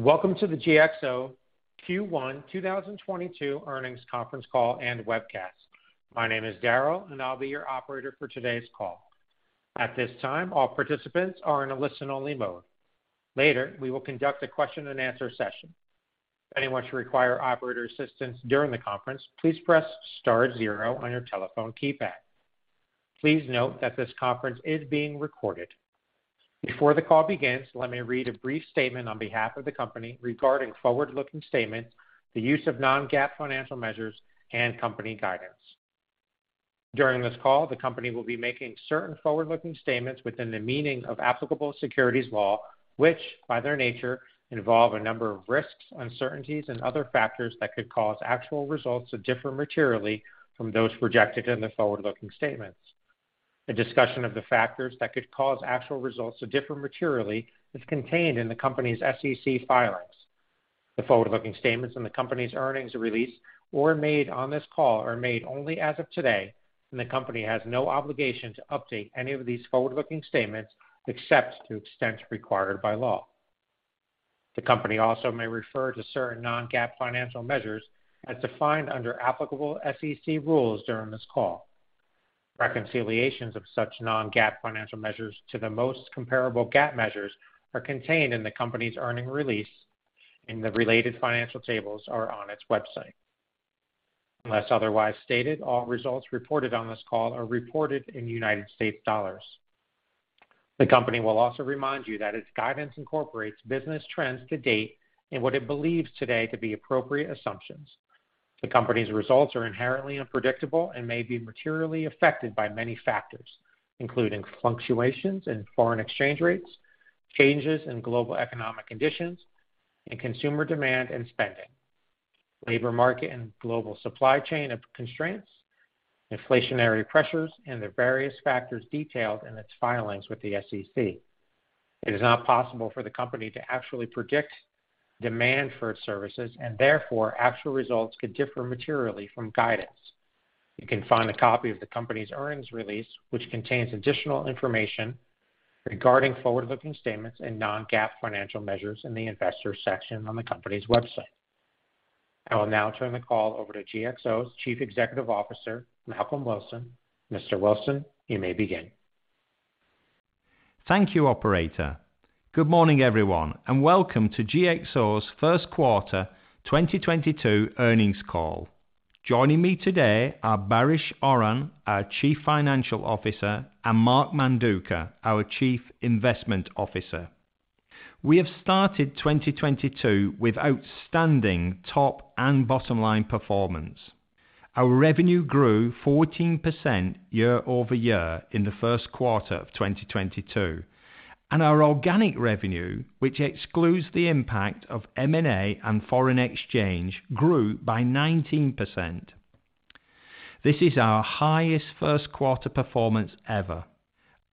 Welcome to the GXO Q1 2022 Earnings Conference Call and Webcast. My name is Daryl, and I'll be your operator for today's call. At this time, all participants are in a listen-only mode. Later, we will conduct a question-and-answer session. If anyone should require operator assistance during the conference, please press star zero on your telephone keypad. Please note that this conference is being recorded. Before the call begins, let me read a brief statement on behalf of the company regarding forward-looking statements, the use of non-GAAP financial measures and company guidance. During this call, the company will be making certain forward-looking statements within the meaning of applicable securities law, which, by their nature, involve a number of risks, uncertainties and other factors that could cause actual results to differ materially from those projected in the forward-looking statements. A discussion of the factors that could cause actual results to differ materially is contained in the company's SEC filings. The forward-looking statements in the company's earnings release or made on this call are made only as of today, and the company has no obligation to update any of these forward-looking statements except to the extent required by law. The company also may refer to certain non-GAAP financial measures as defined under applicable SEC rules during this call. Reconciliations of such non-GAAP financial measures to the most comparable GAAP measures are contained in the company's earnings release, and the related financial tables are on its website. Unless otherwise stated, all results reported on this call are reported in United States dollars. The company will also remind you that its guidance incorporates business trends to date and what it believes today to be appropriate assumptions. The company's results are inherently unpredictable and may be materially affected by many factors, including fluctuations in foreign exchange rates, changes in global economic conditions and consumer demand and spending, labor market and global supply chain constraints, inflationary pressures, and the various factors detailed in its filings with the SEC. It is not possible for the company to actually predict demand for its services, and therefore, actual results could differ materially from guidance. You can find a copy of the company's earnings release, which contains additional information regarding forward-looking statements and non-GAAP financial measures in the investor section on the company's website. I will now turn the call over to GXO's Chief Executive Officer, Malcolm Wilson. Mr. Wilson, you may begin. Thank you, operator. Good morning, everyone, and welcome to GXO's first quarter 2022 earnings call. Joining me today are Baris Oran, our Chief Financial Officer, and Mark Manduca, our Chief Investment Officer. We have started 2022 with outstanding top and bottom-line performance. Our revenue grew 14% year-over-year in the first quarter of 2022, and our organic revenue, which excludes the impact of M&A and foreign exchange, grew by 19%. This is our highest first quarter performance ever.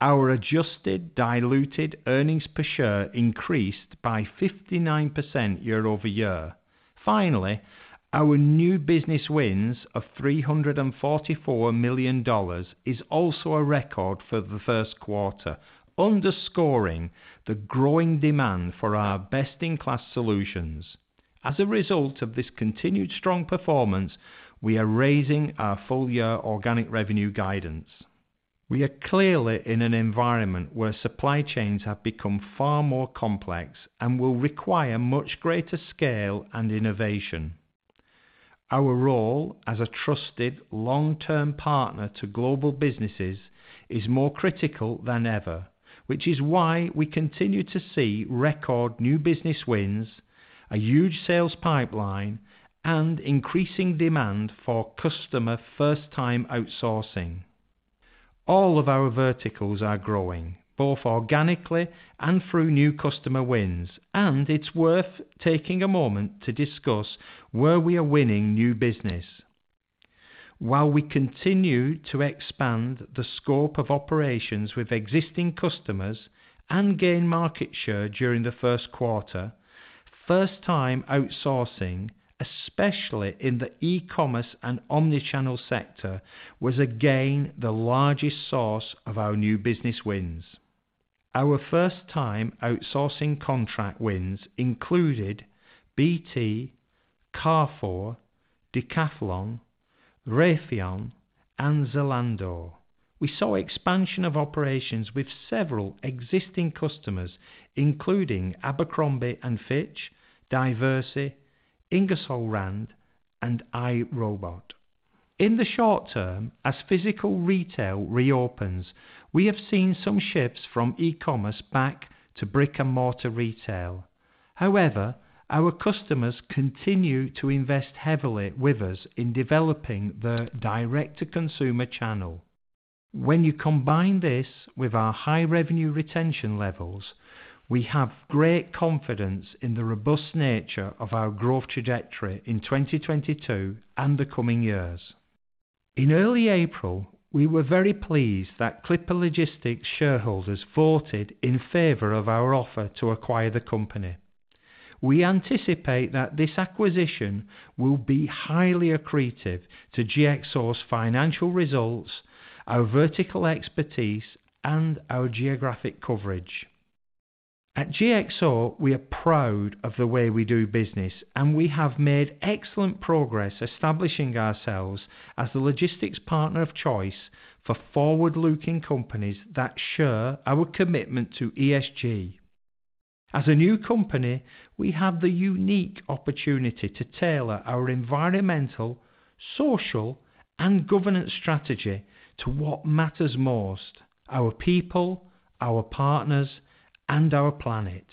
Our adjusted diluted earnings per share increased by 59% year-over-year. Finally, our new business wins of $344 million is also a record for the first quarter, underscoring the growing demand for our best-in-class solutions. As a result of this continued strong performance, we are raising our full-year organic revenue guidance. We are clearly in an environment where supply chains have become far more complex and will require much greater scale and innovation. Our role as a trusted long-term partner to global businesses is more critical than ever, which is why we continue to see record new business wins, a huge sales pipeline, and increasing demand for customer first-time outsourcing. All of our verticals are growing, both organically and through new customer wins, and it's worth taking a moment to discuss where we are winning new business. While we continue to expand the scope of operations with existing customers and gain market share during the first quarter, first-time outsourcing, especially in the e-commerce and omni-channel sector, was again the largest source of our new business wins. Our first-time outsourcing contract wins included BT, Carrefour, Decathlon, Raytheon, and Zalando. We saw expansion of operations with several existing customers, including Abercrombie & Fitch, Diversey, Ingersoll Rand, and iRobot. In the short term, as physical retail reopens, we have seen some shifts from e-commerce back to brick-and-mortar retail. However, our customers continue to invest heavily with us in developing the direct-to-consumer channel. When you combine this with our high revenue retention levels, we have great confidence in the robust nature of our growth trajectory in 2022 and the coming years. In early April, we were very pleased that Clipper Logistics shareholders voted in favor of our offer to acquire the company. We anticipate that this acquisition will be highly accretive to GXO's financial results, our vertical expertise, and our geographic coverage. At GXO, we are proud of the way we do business, and we have made excellent progress establishing ourselves as the logistics partner of choice for forward-looking companies that share our commitment to ESG. As a new company, we have the unique opportunity to tailor our environmental, social, and governance strategy to what matters most, our people, our partners, and our planet.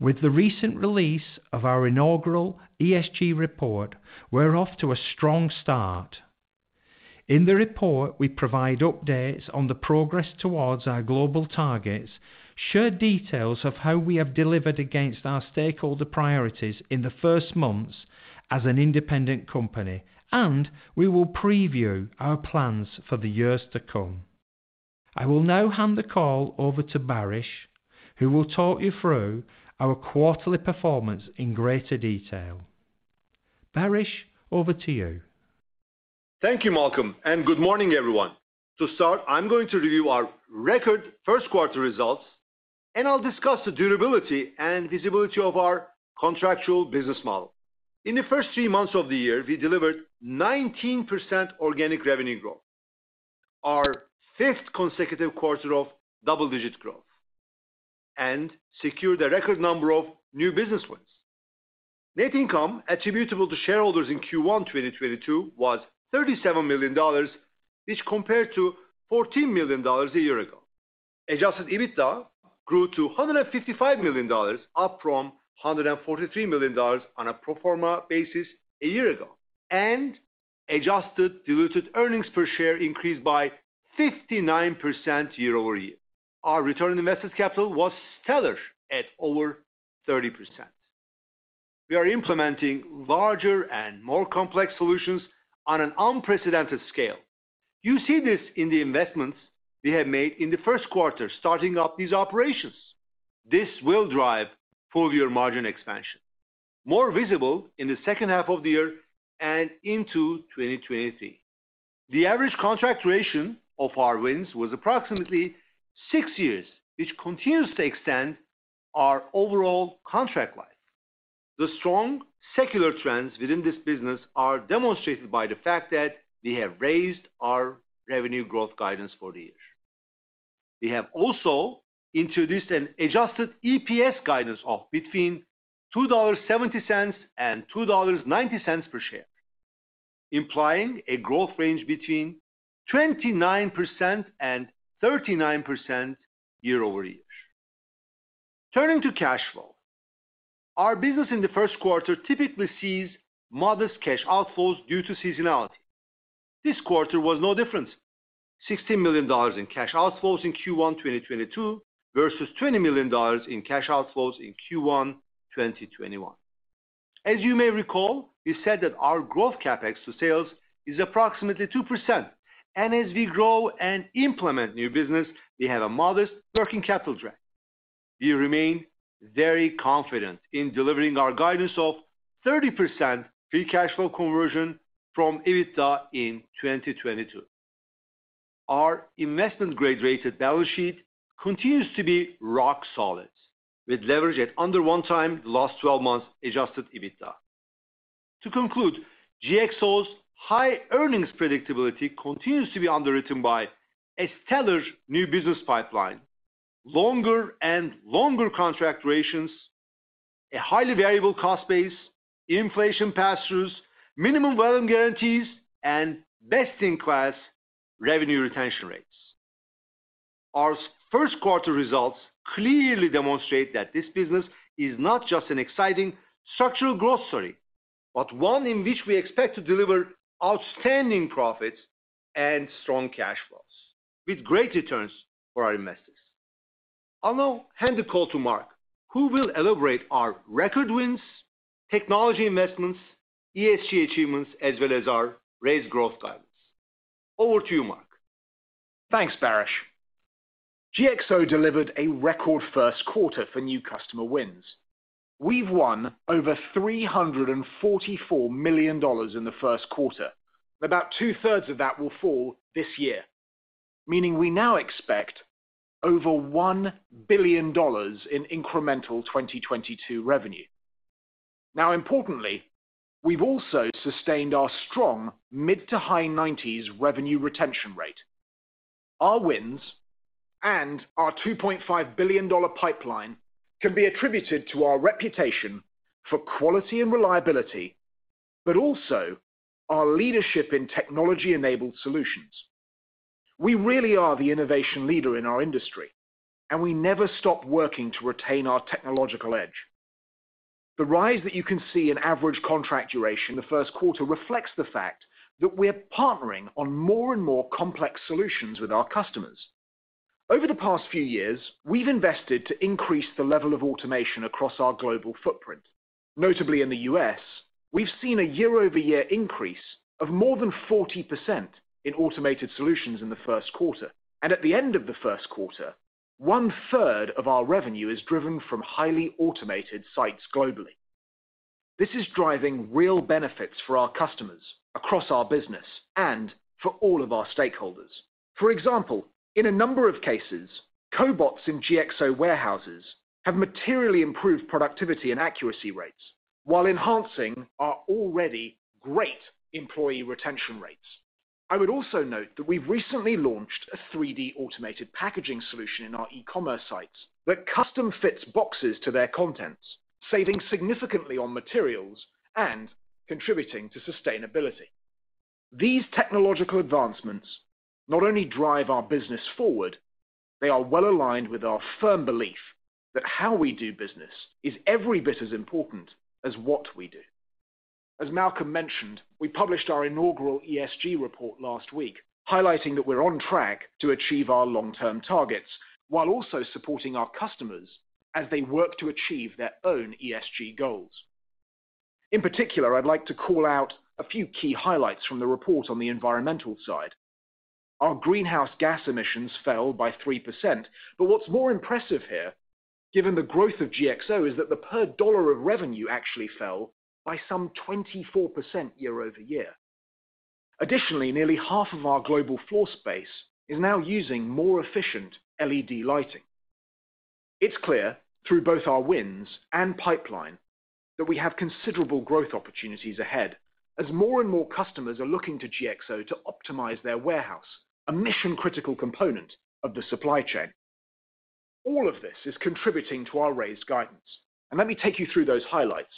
With the recent release of our inaugural ESG report, we're off to a strong start. In the report, we provide updates on the progress towards our global targets, share details of how we have delivered against our stakeholder priorities in the first months as an independent company, and we will preview our plans for the years to come. I will now hand the call over to Baris, who will talk you through our quarterly performance in greater detail. Baris, over to you. Thank you, Malcolm, and good morning, everyone. To start, I'm going to review our record first quarter results, and I'll discuss the durability and visibility of our contractual business model. In the first three months of the year, we delivered 19% organic revenue growth, our fifth consecutive quarter of double-digit growth, and secured a record number of new business wins. Net income attributable to shareholders in Q1 2022 was $37 million, which compared to $14 million a year ago. Adjusted EBITDA grew to $155 million, up from $143 million on a pro forma basis a year ago, and adjusted diluted earnings per share increased by 59% year over year. Our return on invested capital was stellar at over 30%. We are implementing larger and more complex solutions on an unprecedented scale. You see this in the investments we have made in the first quarter, starting up these operations. This will drive full year margin expansion, more visible in the second half of the year and into 2023. The average contract duration of our wins was approximately six years, which continues to extend our overall contract life. The strong secular trends within this business are demonstrated by the fact that we have raised our revenue growth guidance for the year. We have also introduced an Adjusted EPS guidance of between $2.70 and $2.90 per share, implying a growth range between 29% and 39% year-over-year. Turning to cash flow, our business in the first quarter typically sees modest cash outflows due to seasonality. This quarter was no different. $16 million in cash outflows in Q1 2022 versus $20 million in cash outflows in Q1 2021. As you may recall, we said that our growth CapEx to sales is approximately 2%, and as we grow and implement new business, we have a modest working capital drag. We remain very confident in delivering our guidance of 30% free cash flow conversion from EBITDA in 2022. Our investment-grade rated balance sheet continues to be rock solid, with leverage at under 1x the last 12 months Adjusted EBITDA. To conclude, GXO's high earnings predictability continues to be underwritten by a stellar new business pipeline, longer and longer contract durations, a highly variable cost base, inflation pass-throughs, minimum volume guarantees, and best-in-class revenue retention rates. Our first quarter results clearly demonstrate that this business is not just an exciting structural growth story, but one in which we expect to deliver outstanding profits and strong cash flows with great returns for our investors. I'll now hand the call to Mark, who will elaborate our record wins, technology investments, ESG achievements, as well as our raised growth guidance. Over to you, Mark. Thanks, Baris. GXO delivered a record first quarter for new customer wins. We've won over $344 million in the first quarter. About 2/3 of that will fall this year, meaning we now expect over $1 billion in incremental 2022 revenue. Now importantly, we've also sustained our strong mid-to-high-90s revenue retention rate. Our wins and our $2.5 billion pipeline can be attributed to our reputation for quality and reliability, but also our leadership in technology-enabled solutions. We really are the innovation leader in our industry, and we never stop working to retain our technological edge. The rise that you can see in average contract duration in the first quarter reflects the fact that we're partnering on more and more complex solutions with our customers. Over the past few years, we've invested to increase the level of automation across our global footprint. Notably in the U.S., we've seen a year-over-year increase of more than 40% in automated solutions in the first quarter. At the end of the first quarter, 1/3 of our revenue is driven from highly automated sites globally. This is driving real benefits for our customers across our business and for all of our stakeholders. For example, in a number of cases, cobots in GXO warehouses have materially improved productivity and accuracy rates while enhancing our already great employee retention rates. I would also note that we recently launched a 3D automated packaging solution in our e-commerce sites that custom fits boxes to their contents, saving significantly on materials and contributing to sustainability. These technological advancements not only drive our business forward, they are well aligned with our firm belief that how we do business is every bit as important as what we do. As Malcolm mentioned, we published our inaugural ESG report last week, highlighting that we're on track to achieve our long-term targets while also supporting our customers as they work to achieve their own ESG goals. In particular, I'd like to call out a few key highlights from the report on the environmental side. Our greenhouse gas emissions fell by 3%. What's more impressive here, given the growth of GXO, is that the per dollar of revenue actually fell by some 24% year-over-year. Additionally, nearly half of our global floor space is now using more efficient LED lighting. It's clear through both our wins and pipeline that we have considerable growth opportunities ahead as more and more customers are looking to GXO to optimize their warehouse, a mission-critical component of the supply chain. All of this is contributing to our raised guidance, and let me take you through those highlights.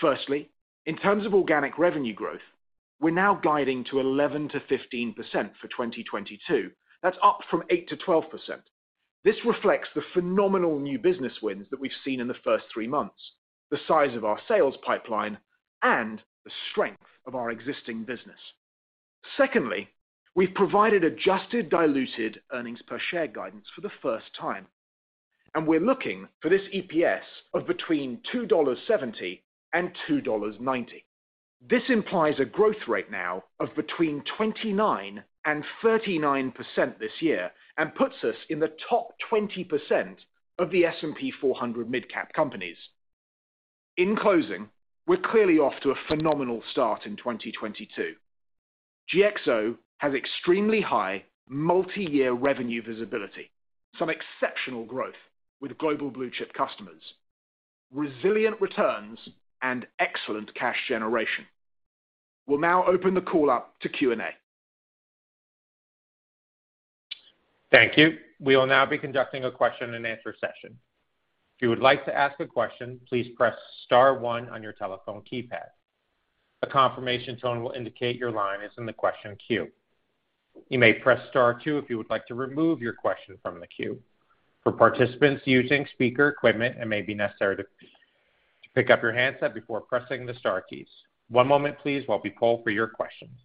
Firstly, in terms of organic revenue growth, we're now guiding to 11%-15% for 2022. That's up from 8%-12%. This reflects the phenomenal new business wins that we've seen in the first three months, the size of our sales pipeline, and the strength of our existing business. Secondly, we've provided Adjusted diluted earnings per share guidance for the first time, and we're looking for this EPS of between $2.70 and $2.90. This implies a growth rate now of between 29% and 39% this year, and puts us in the top 20% of the S&P 400 midcap companies. In closing, we're clearly off to a phenomenal start in 2022. GXO has extremely high multi-year revenue visibility, some exceptional growth with global blue chip customers, resilient returns, and excellent cash generation. We'll now open the call up to Q&A. Thank you. We will now be conducting a question and answer session. If you would like to ask a question, please press star one on your telephone keypad. A confirmation tone will indicate your line is in the question queue. You may press star two if you would like to remove your question from the queue. For participants using speaker equipment, it may be necessary to pick up your handset before pressing the star keys. One moment please while we poll for your questions.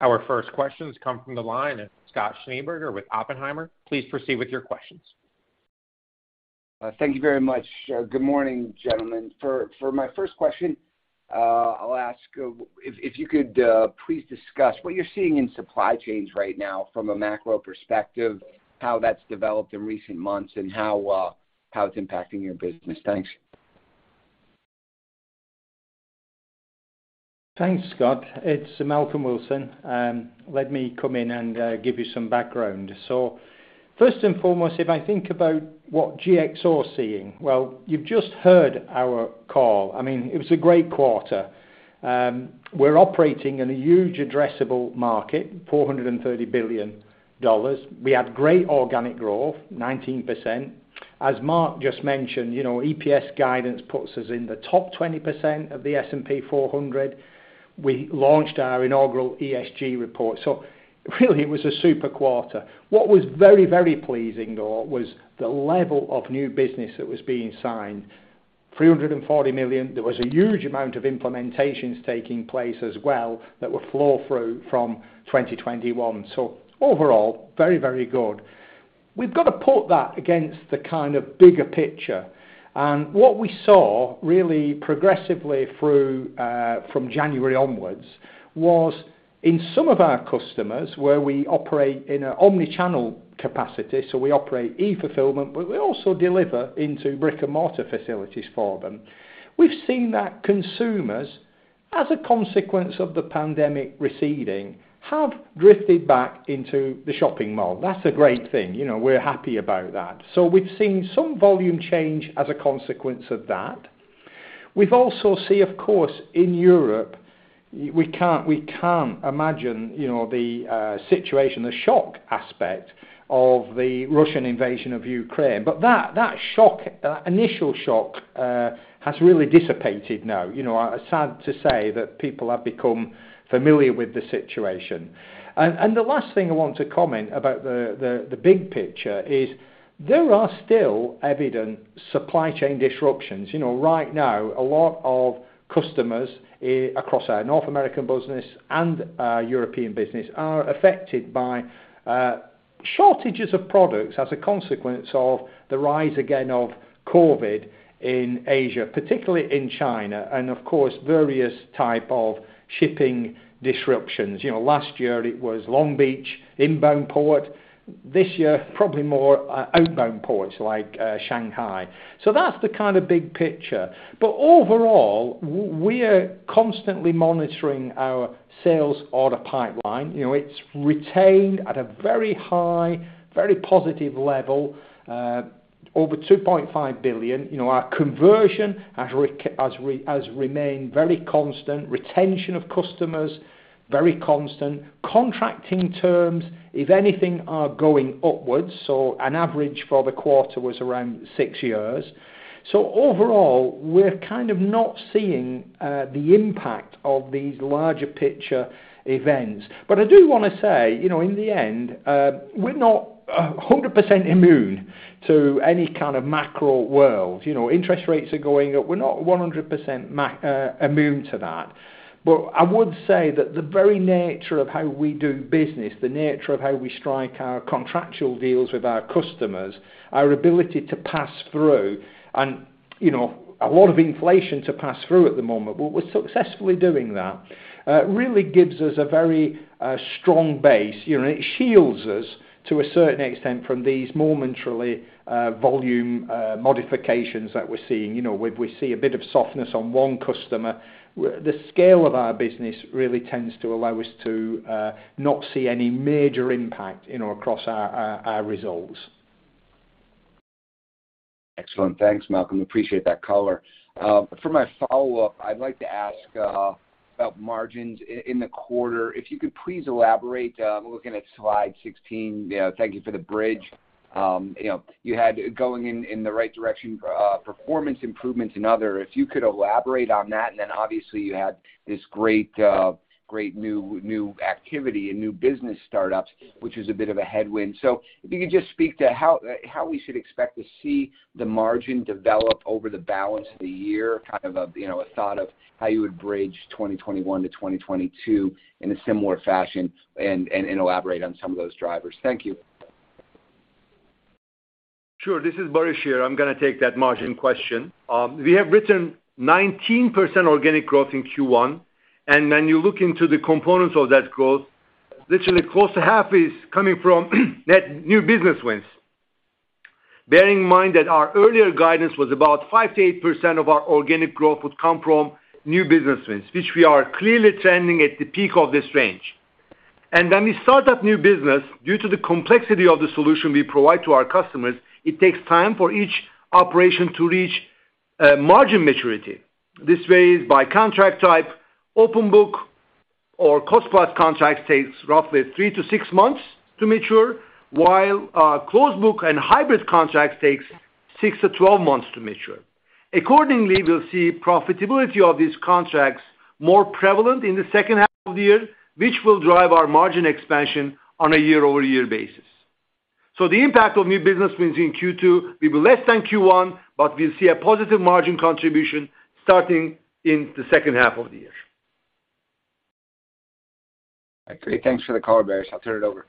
Our first questions come from the line of Scott Schneeberger with Oppenheimer. Please proceed with your questions. Thank you very much. Good morning, gentlemen. For my first question, I'll ask if you could please discuss what you're seeing in supply chains right now from a macro perspective, how that's developed in recent months and how it's impacting your business. Thanks. Thanks, Scott. It's Malcolm Wilson. Let me come in and give you some background. First and foremost, if I think about what GXO is seeing, well, you've just heard our call. I mean, it was a great quarter. We're operating in a huge addressable market, $430 billion. We have great organic growth, 19%. As Mark just mentioned, you know, EPS guidance puts us in the top 20% of the S&P 400. We launched our inaugural ESG report. Really it was a super quarter. What was very, very pleasing though was the level of new business that was being signed. $340 million. There was a huge amount of implementations taking place as well that would flow through from 2021. Overall, very, very good. We've got to put that against the kind of bigger picture. What we saw really progressively through from January onwards was in some of our customers, where we operate in an omni-channel capacity, so we operate e-fulfillment, but we also deliver into brick-and-mortar facilities for them. We've seen that consumers, as a consequence of the pandemic receding, have drifted back into the shopping mall. That's a great thing. You know, we're happy about that. We've seen some volume change as a consequence of that. We've also seen, of course, in Europe, we can imagine, you know, the situation, the shock aspect of the Russian invasion of Ukraine. But that shock, that initial shock has really dissipated now. You know, it's sad to say that people have become familiar with the situation. The last thing I want to comment about the big picture is there are still evident supply chain disruptions. You know, right now, a lot of customers across our North American business and our European business are affected by shortages of products as a consequence of the rise again of COVID in Asia, particularly in China, and of course, various types of shipping disruptions. You know, last year it was Long Beach inbound port. This year, probably more outbound ports like Shanghai. So that's the kind of big picture. But overall, we are constantly monitoring our sales order pipeline. You know, it's retained at a very high, very positive level over $2.5 billion. You know, our conversion has remained very constant. Retention of customers, very constant. Contracting terms, if anything, are going upwards, so an average for the quarter was around six years. Overall, we're kind of not seeing the impact of these larger picture events. I do wanna say, you know, in the end, we're not 100% immune to any kind of macro world. You know, interest rates are going up. We're not 100% immune to that. I would say that the very nature of how we do business, the nature of how we strike our contractual deals with our customers, our ability to pass through, and, you know, a lot of inflation to pass through at the moment, but we're successfully doing that, really gives us a very, strong base. You know, and it shields us to a certain extent from these momentarily, volume modifications that we're seeing. You know, when we see a bit of softness on one customer, the scale of our business really tends to allow us to not see any major impact, you know, across our results. Excellent. Thanks, Malcolm. Appreciate that color. For my follow-up, I'd like to ask about margins in the quarter. If you could please elaborate, looking at slide 16, you know, thank you for the bridge. You know, you had going in the right direction, performance improvements in other. If you could elaborate on that, and then obviously you had this great new activity and new business startups, which is a bit of a headwind. If you could just speak to how we should expect to see the margin develop over the balance of the year, kind of a, you know, a thought of how you would bridge 2021 to 2022 in a similar fashion and elaborate on some of those drivers. Thank you. Sure. This is Baris here. I'm gonna take that margin question. We have written 19% organic growth in Q1, and when you look into the components of that growth, literally close to half is coming from net new business wins. Bearing in mind that our earlier guidance was about 5%-8% of our organic growth would come from new business wins, which we are clearly trending at the peak of this range. When we start that new business, due to the complexity of the solution we provide to our customers, it takes time for each operation to reach margin maturity. This varies by contract type. Open book or cost plus contracts takes roughly three-six months to mature, while closed book and hybrid contracts takes six-12 months to mature. Accordingly, we'll see profitability of these contracts more prevalent in the second half of the year, which will drive our margin expansion on a year-over-year basis. The impact of new business wins in Q2 will be less than Q1, but we'll see a positive margin contribution starting in the second half of the year. Great. Thanks for the color, Baris. I'll turn it over.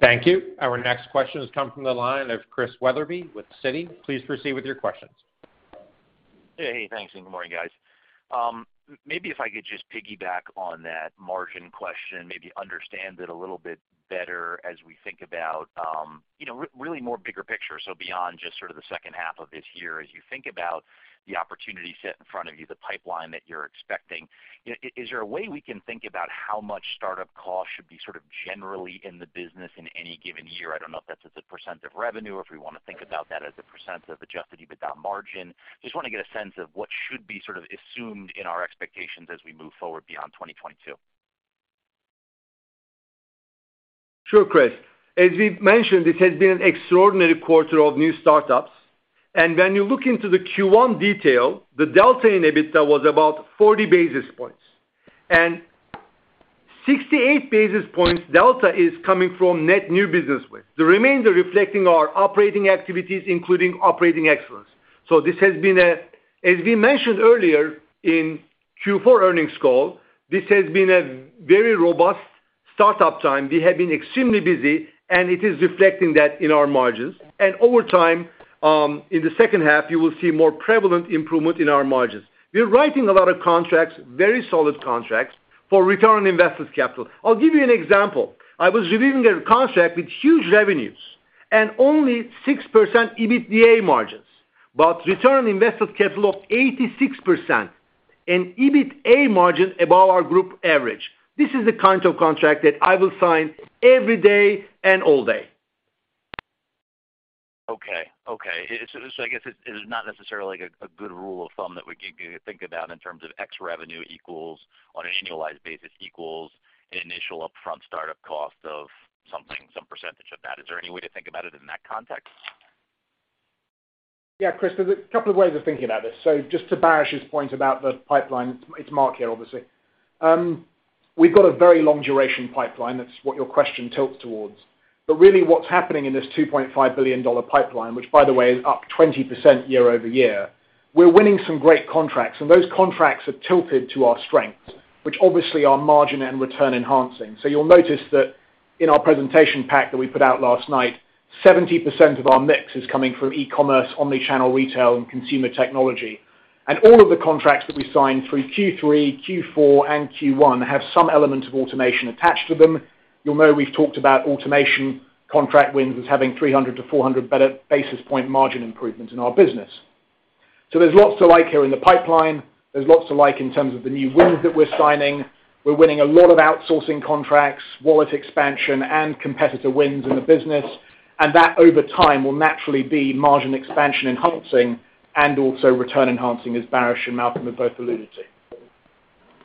Thank you. Our next question has come from the line of Chris Wetherbee with Citi. Please proceed with your questions. Hey. Thanks, and good morning, guys. Maybe if I could just piggyback on that margin question, maybe understand it a little bit better as we think about, you know, really more bigger picture, beyond just sort of the second half of this year. As you think about the opportunity set in front of you, the pipeline that you're expecting, you know, is there a way we can think about how much startup costs should be sort of generally in the business in any given year? I don't know if that's as a percent of revenue, or if we wanna think about that as a percent of adjusted EBITDA margin. Just wanna get a sense of what should be sort of assumed in our expectations as we move forward beyond 2022. Sure, Chris. As we've mentioned, this has been an extraordinary quarter of new startups. When you look into the Q1 detail, the delta in EBITDA was about 40 basis points. 68 basis points delta is coming from net new business wins. The remainder reflecting our operating activities, including operating excellence. As we mentioned earlier in Q4 earnings call, this has been a very robust startup time. We have been extremely busy, and it is reflecting that in our margins. Over time, in the second half, you will see more prevalent improvement in our margins. We're writing a lot of contracts, very solid contracts for Return on Invested Capital. I'll give you an example. I was reviewing a contract with huge revenues and only 6% EBITDA margins, but return on invested capital of 86% and EBITA margin above our group average. This is the kind of contract that I will sign every day and all day. Okay. I guess it's not necessarily like a good rule of thumb that we can think about in terms of GXO revenue equals on an annualized basis equals an initial upfront startup cost of something, some percentage of that. Is there any way to think about it in that context? Yeah, Chris, there's a couple of ways of thinking about this. Just to Baris' point about the pipeline, it's Mark here, obviously. We've got a very long duration pipeline. That's what your question tilts towards. But really what's happening in this $2.5 billion pipeline, which by the way is up 20% year-over-year, we're winning some great contracts, and those contracts are tilted to our strengths, which obviously are margin and return enhancing. You'll notice that. In our presentation pack that we put out last night, 70% of our mix is coming from e-commerce, omni-channel retail, and consumer technology. All of the contracts that we signed through Q3, Q4, and Q1 have some element of automation attached to them. You'll know we've talked about automation contract wins as having 300-400 better basis point margin improvements in our business. There's lots to like here in the pipeline. There's lots to like in terms of the new wins that we're signing. We're winning a lot of outsourcing contracts, wallet expansion, and competitor wins in the business. That, over time, will naturally be margin expansion enhancing and also return enhancing, as Baris and Malcolm have both alluded to.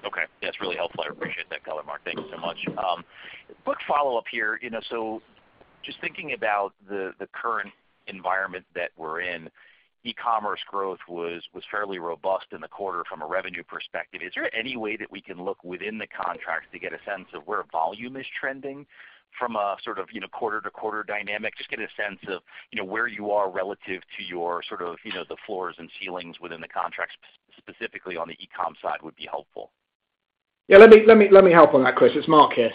Okay. That's really helpful. I appreciate that color, Mark. Thank you so much. Quick follow-up here. You know, just thinking about the current environment that we're in, e-commerce growth was fairly robust in the quarter from a revenue perspective. Is there any way that we can look within the contracts to get a sense of where volume is trending from a sort of, you know, quarter-to-quarter dynamic? Just get a sense of, you know, where you are relative to your sort of, you know, the floors and ceilings within the contracts, specifically on the e-com side, would be helpful. Yeah, let me help on that, Chris. It's Mark here.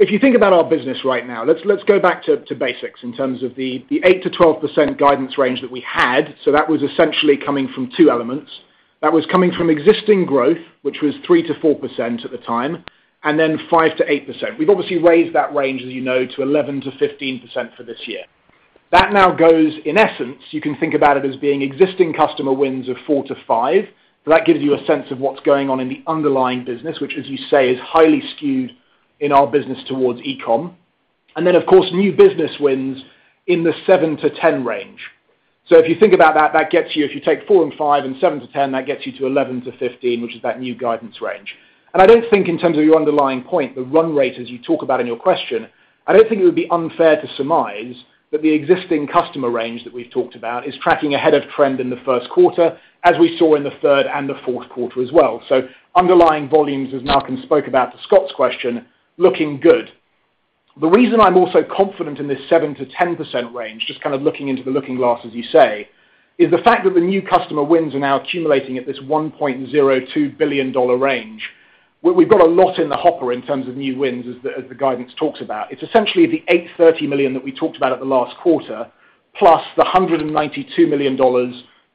If you think about our business right now, let's go back to basics in terms of the 8%-12% guidance range that we had. That was essentially coming from two elements. That was coming from existing growth, which was 3%-4% at the time, and then 5%-8%. We've obviously raised that range, as you know, to 11%-15% for this year. That now goes, in essence, you can think about it as being existing customer wins of 4%-5%. That gives you a sense of what's going on in the underlying business, which as you say, is highly skewed in our business towards e-com. Of course, new business wins in the 7%-10% range. If you think about that gets you, if you take four and five and seven-10, that gets you to 11-15, which is that new guidance range. I don't think in terms of your underlying point, the run rate, as you talk about in your question, I don't think it would be unfair to surmise that the existing customer range that we've talked about is tracking ahead of trend in the first quarter, as we saw in the third and the fourth quarter as well. Underlying volumes, as Malcolm spoke about to Scott's question, looking good. The reason I'm also confident in this 7%-10% range, just kind of looking into the looking glass, as you say, is the fact that the new customer wins are now accumulating at this $1.02 billion range. We've got a lot in the hopper in terms of new wins, as the guidance talks about. It's essentially the $830 million that we talked about at the last quarter, plus the $192 million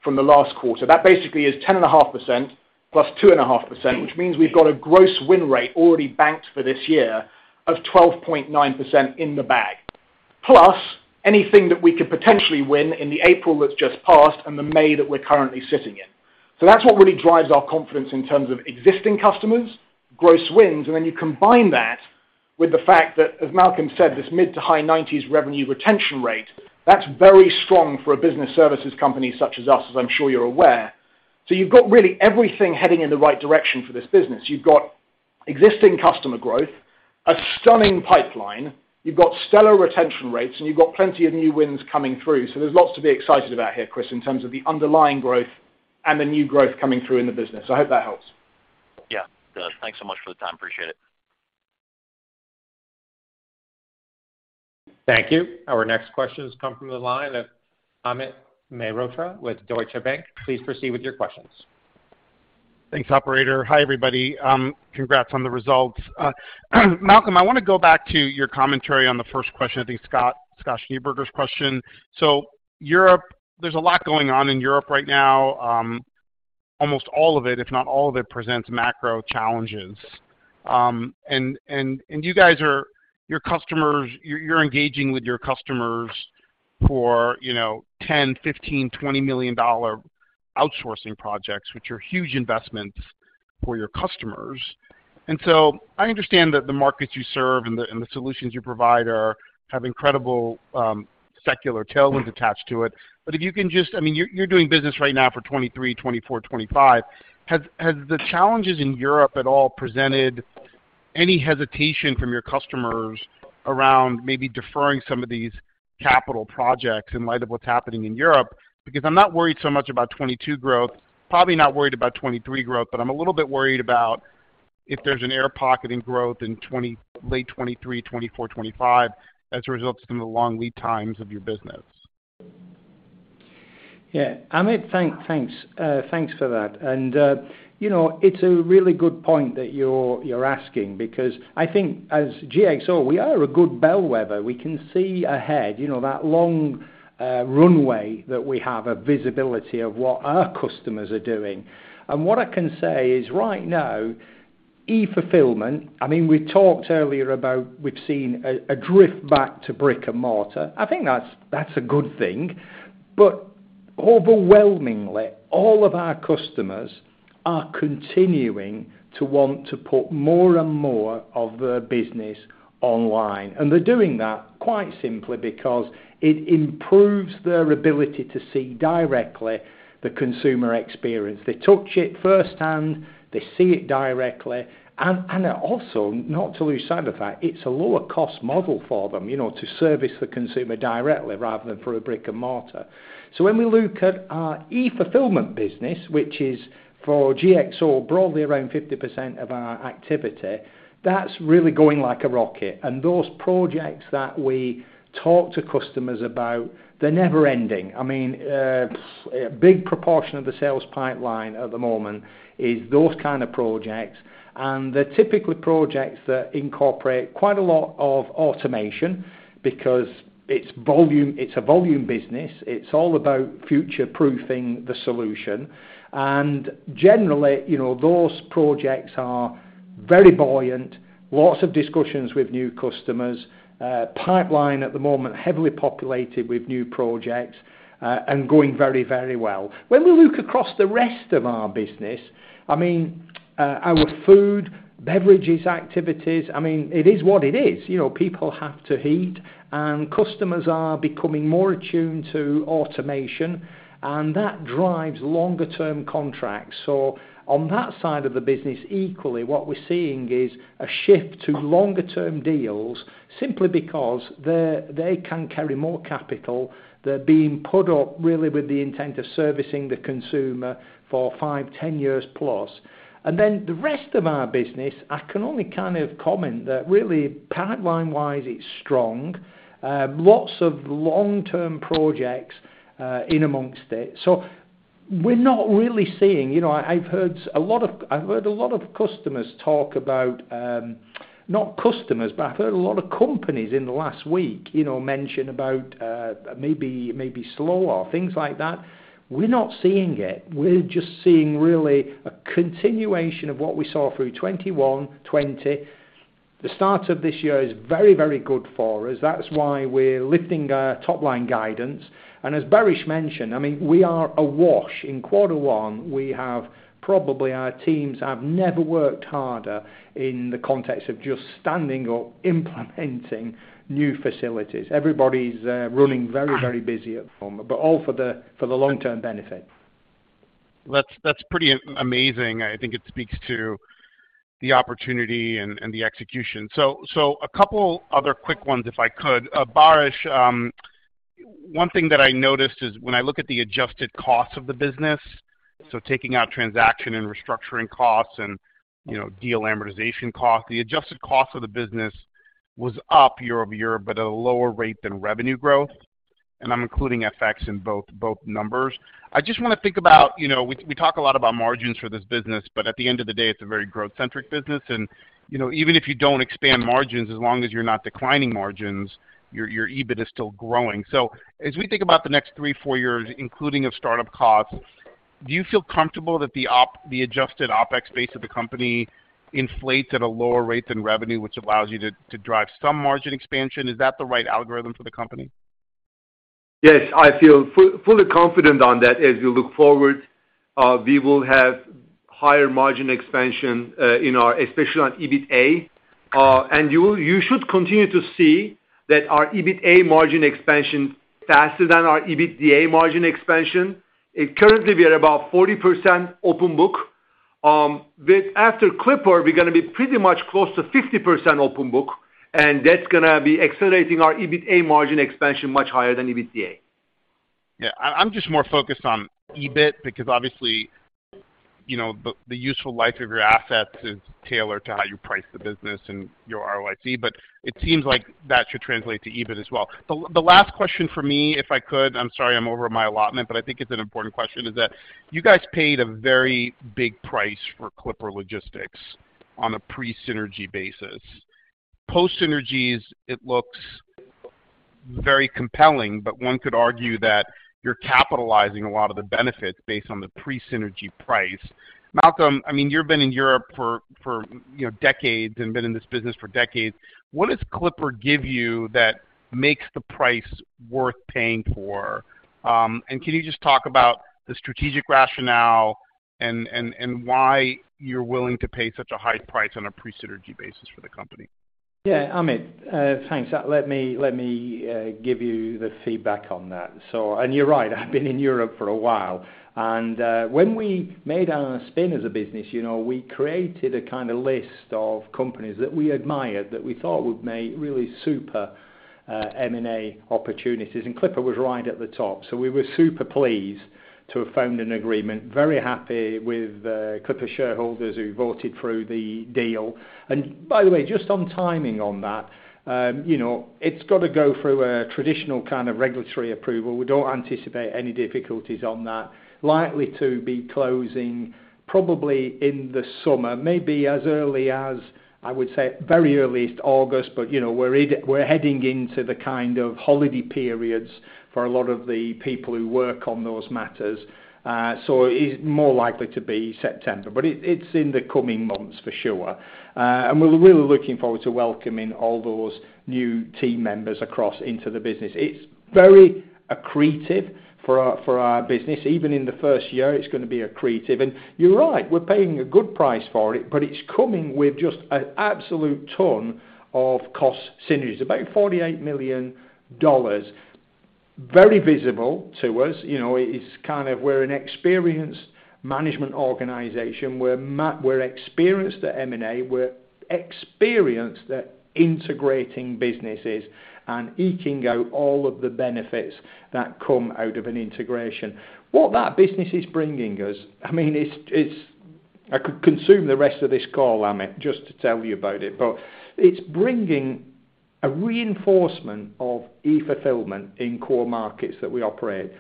from the last quarter. That basically is 10.5% + 2.5%, which means we've got a gross win rate already banked for this year of 12.9% in the bag. Anything that we could potentially win in the April that's just passed and the May that we're currently sitting in. That's what really drives our confidence in terms of existing customers, gross wins, and then you combine that with the fact that, as Malcolm said, this mid-to-high-90s revenue retention rate. That's very strong for a business services company such as us, as I'm sure you're aware. You've got really everything heading in the right direction for this business. You've got existing customer growth, a stunning pipeline, you've got stellar retention rates, and you've got plenty of new wins coming through. There's lots to be excited about here, Chris, in terms of the underlying growth and the new growth coming through in the business. I hope that helps. Yeah. It does. Thanks so much for the time. Appreciate it. Thank you. Our next question has come from the line of Amit Mehrotra with Deutsche Bank. Please proceed with your questions. Thanks, operator. Hi, everybody. Congrats on the results. Malcolm, I wanna go back to your commentary on the first question, I think Scott Schneeberger's question. Europe, there's a lot going on in Europe right now. Almost all of it, if not all of it, presents macro challenges. You guys are engaging with your customers for, you know, $10 million, $15 million, $20 million outsourcing projects, which are huge investments for your customers. I understand that the markets you serve and the solutions you provide have incredible secular tailwinds attached to it. If you can just, I mean, you're doing business right now for 2023, 2024, 2025. Has the challenges in Europe at all presented any hesitation from your customers around maybe deferring some of these capital projects in light of what's happening in Europe? Because I'm not worried so much about 2022 growth, probably not worried about 2023 growth, but I'm a little bit worried about if there's an air pocket in growth in 2020, late 2023, 2024, 2025, as a result of some of the long lead times of your business. Yeah. Amit, thanks for that. You know, it's a really good point that you're asking, because I think as GXO, we are a good bellwether. We can see ahead, you know, that long runway that we have a visibility of what our customers are doing. What I can say is right now, e-fulfillment, I mean, we talked earlier about we've seen a drift back to brick-and-mortar. I think that's a good thing. Overwhelmingly, all of our customers are continuing to want to put more and more of their business online. They're doing that quite simply because it improves their ability to see directly the consumer experience. They touch it firsthand, they see it directly, and also, not to lose sight of the fact, it's a lower cost model for them, you know, to service the consumer directly rather than through a brick-and-mortar. When we look at our e-fulfillment business, which is for GXO, broadly around 50% of our activity, that's really going like a rocket. Those projects that we talk to customers about, they're never ending. I mean, a big proportion of the sales pipeline at the moment is those kind of projects. They're typically projects that incorporate quite a lot of automation because it's volume, it's a volume business. It's all about future-proofing the solution. Generally, you know, those projects are very buoyant, lots of discussions with new customers. Pipeline at the moment heavily populated with new projects, and going very, very well. When we look across the rest of our business, I mean, our food and beverages activities, I mean, it is what it is. You know, people have to eat, and customers are becoming more attuned to automation, and that drives longer-term contracts. On that side of the business, equally, what we're seeing is a shift to longer-term deals simply because they can carry more capital. They're being put up really with the intent of servicing the consumer for five-10 years plus. Then the rest of our business, I can only kind of comment that really pipeline-wise, it's strong. Lots of long-term projects in amongst it. We're not really seeing. You know, I've heard a lot of customers talk about, not customers, but I've heard a lot of companies in the last week, you know, mention about, maybe slower, things like that. We're not seeing it. We're just seeing really a continuation of what we saw through 2021, 2020. The start of this year is very, very good for us. That's why we're lifting our top-line guidance. As Baris mentioned, I mean, we are awash. In quarter one, we have probably our teams have never worked harder in the context of just standing or implementing new facilities. Everybody's running very, very busy at the moment, but all for the long-term benefit. That's pretty amazing. I think it speaks to the opportunity and the execution. A couple other quick ones, if I could. Baris, one thing that I noticed is when I look at the adjusted cost of the business, so taking out transaction and restructuring costs and, you know, deal amortization cost, the adjusted cost of the business was up year-over-year, but at a lower rate than revenue growth. I'm including FX in both numbers. I just wanna think about, you know, we talk a lot about margins for this business, but at the end of the day, it's a very growth-centric business. You know, even if you don't expand margins, as long as you're not declining margins, your EBIT is still growing. As we think about the next three-four years, including of start-up costs, do you feel comfortable that the adjusted OpEx base of the company inflates at a lower rate than revenue, which allows you to drive some margin expansion? Is that the right algorithm for the company? Yes, I feel fully confident on that. As you look forward, we will have higher margin expansion, especially on EBITA. You should continue to see that our EBITA margin expansion faster than our EBITDA margin expansion. Currently we are about 40% open book. With after Clipper, we're gonna be pretty much close to 50% open book, and that's gonna be accelerating our EBITA margin expansion much higher than EBITDA. Yeah. I'm just more focused on EBIT because obviously, you know, the useful life of your assets is tailored to how you price the business and your ROIC, but it seems like that should translate to EBIT as well. The last question for me, if I could, I'm sorry I'm over my allotment, but I think it's an important question, is that you guys paid a very big price for Clipper Logistics on a pre-synergy basis. Post synergies, it looks very compelling, but one could argue that you're capitalizing a lot of the benefits based on the pre-synergy price. Malcolm, I mean, you've been in Europe for, you know, decades and been in this business for decades. What does Clipper give you that makes the price worth paying for? Can you just talk about the strategic rationale and why you're willing to pay such a high price on a pre-synergy basis for the company? Yeah, Amit, thanks. Let me give you the feedback on that. You're right, I've been in Europe for a while. When we made our spin as a business, you know, we created a kinda list of companies that we admired that we thought would make really super M&A opportunities, and Clipper was right at the top. We were super pleased to have found an agreement, very happy with Clipper shareholders who voted through the deal. By the way, just on timing on that, you know, it's gotta go through a traditional kind of regulatory approval. We don't anticipate any difficulties on that. Likely to be closing probably in the summer, maybe as early as, I would say, very earliest August, but, you know, we're heading into the kind of holiday periods for a lot of the people who work on those matters. So it's more likely to be September, but it's in the coming months for sure. We're really looking forward to welcoming all those new team members across into the business. It's very accretive for our business. Even in the first year, it's gonna be accretive. You're right, we're paying a good price for it, but it's coming with just an absolute ton of cost synergies, about $48 million. Very visible to us. You know, it is kind of we're an experienced management organization. We're experienced at M&A. We're experienced at integrating businesses and eking out all of the benefits that come out of an integration. What that business is bringing us, I mean, it's I could consume the rest of this call, Amit, just to tell you about it, but it's bringing a reinforcement of e-fulfillment in core markets that we operate.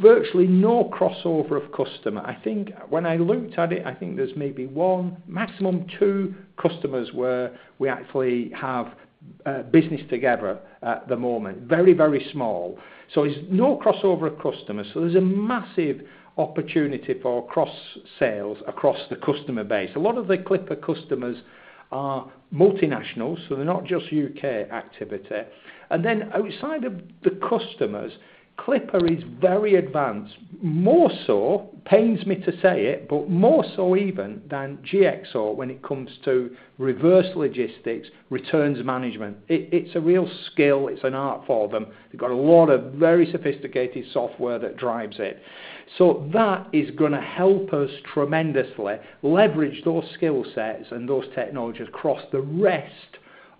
Virtually no crossover of customer. I think when I looked at it, I think there's maybe one, maximum two customers where we actually have business together at the moment. Very, very small. There's no crossover of customers. There's a massive opportunity for cross sales across the customer base. A lot of the Clipper customers are multinationals, so they're not just U.K. activity. Then outside of the customers, Clipper is very advanced, more so, pains me to say it, but more so even than GXO when it comes to reverse logistics, returns management. It's a real skill. It's an art for them. They've got a lot of very sophisticated software that drives it. That is gonna help us tremendously leverage those skill sets and those technologies across the rest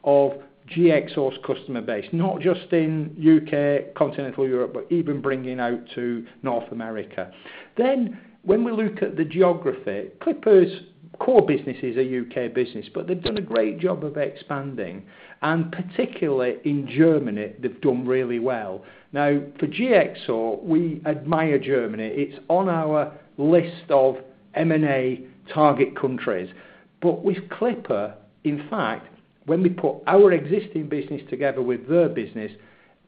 of GXO's customer base, not just in U.K., Continental Europe, but even bringing out to North America. When we look at the geography, Clipper's core business is a U.K. business, but they've done a great job of expanding, and particularly in Germany, they've done really well. Now for GXO, we admire Germany. It's on our list of M&A target countries. With Clipper, in fact, when we put our existing business together with their business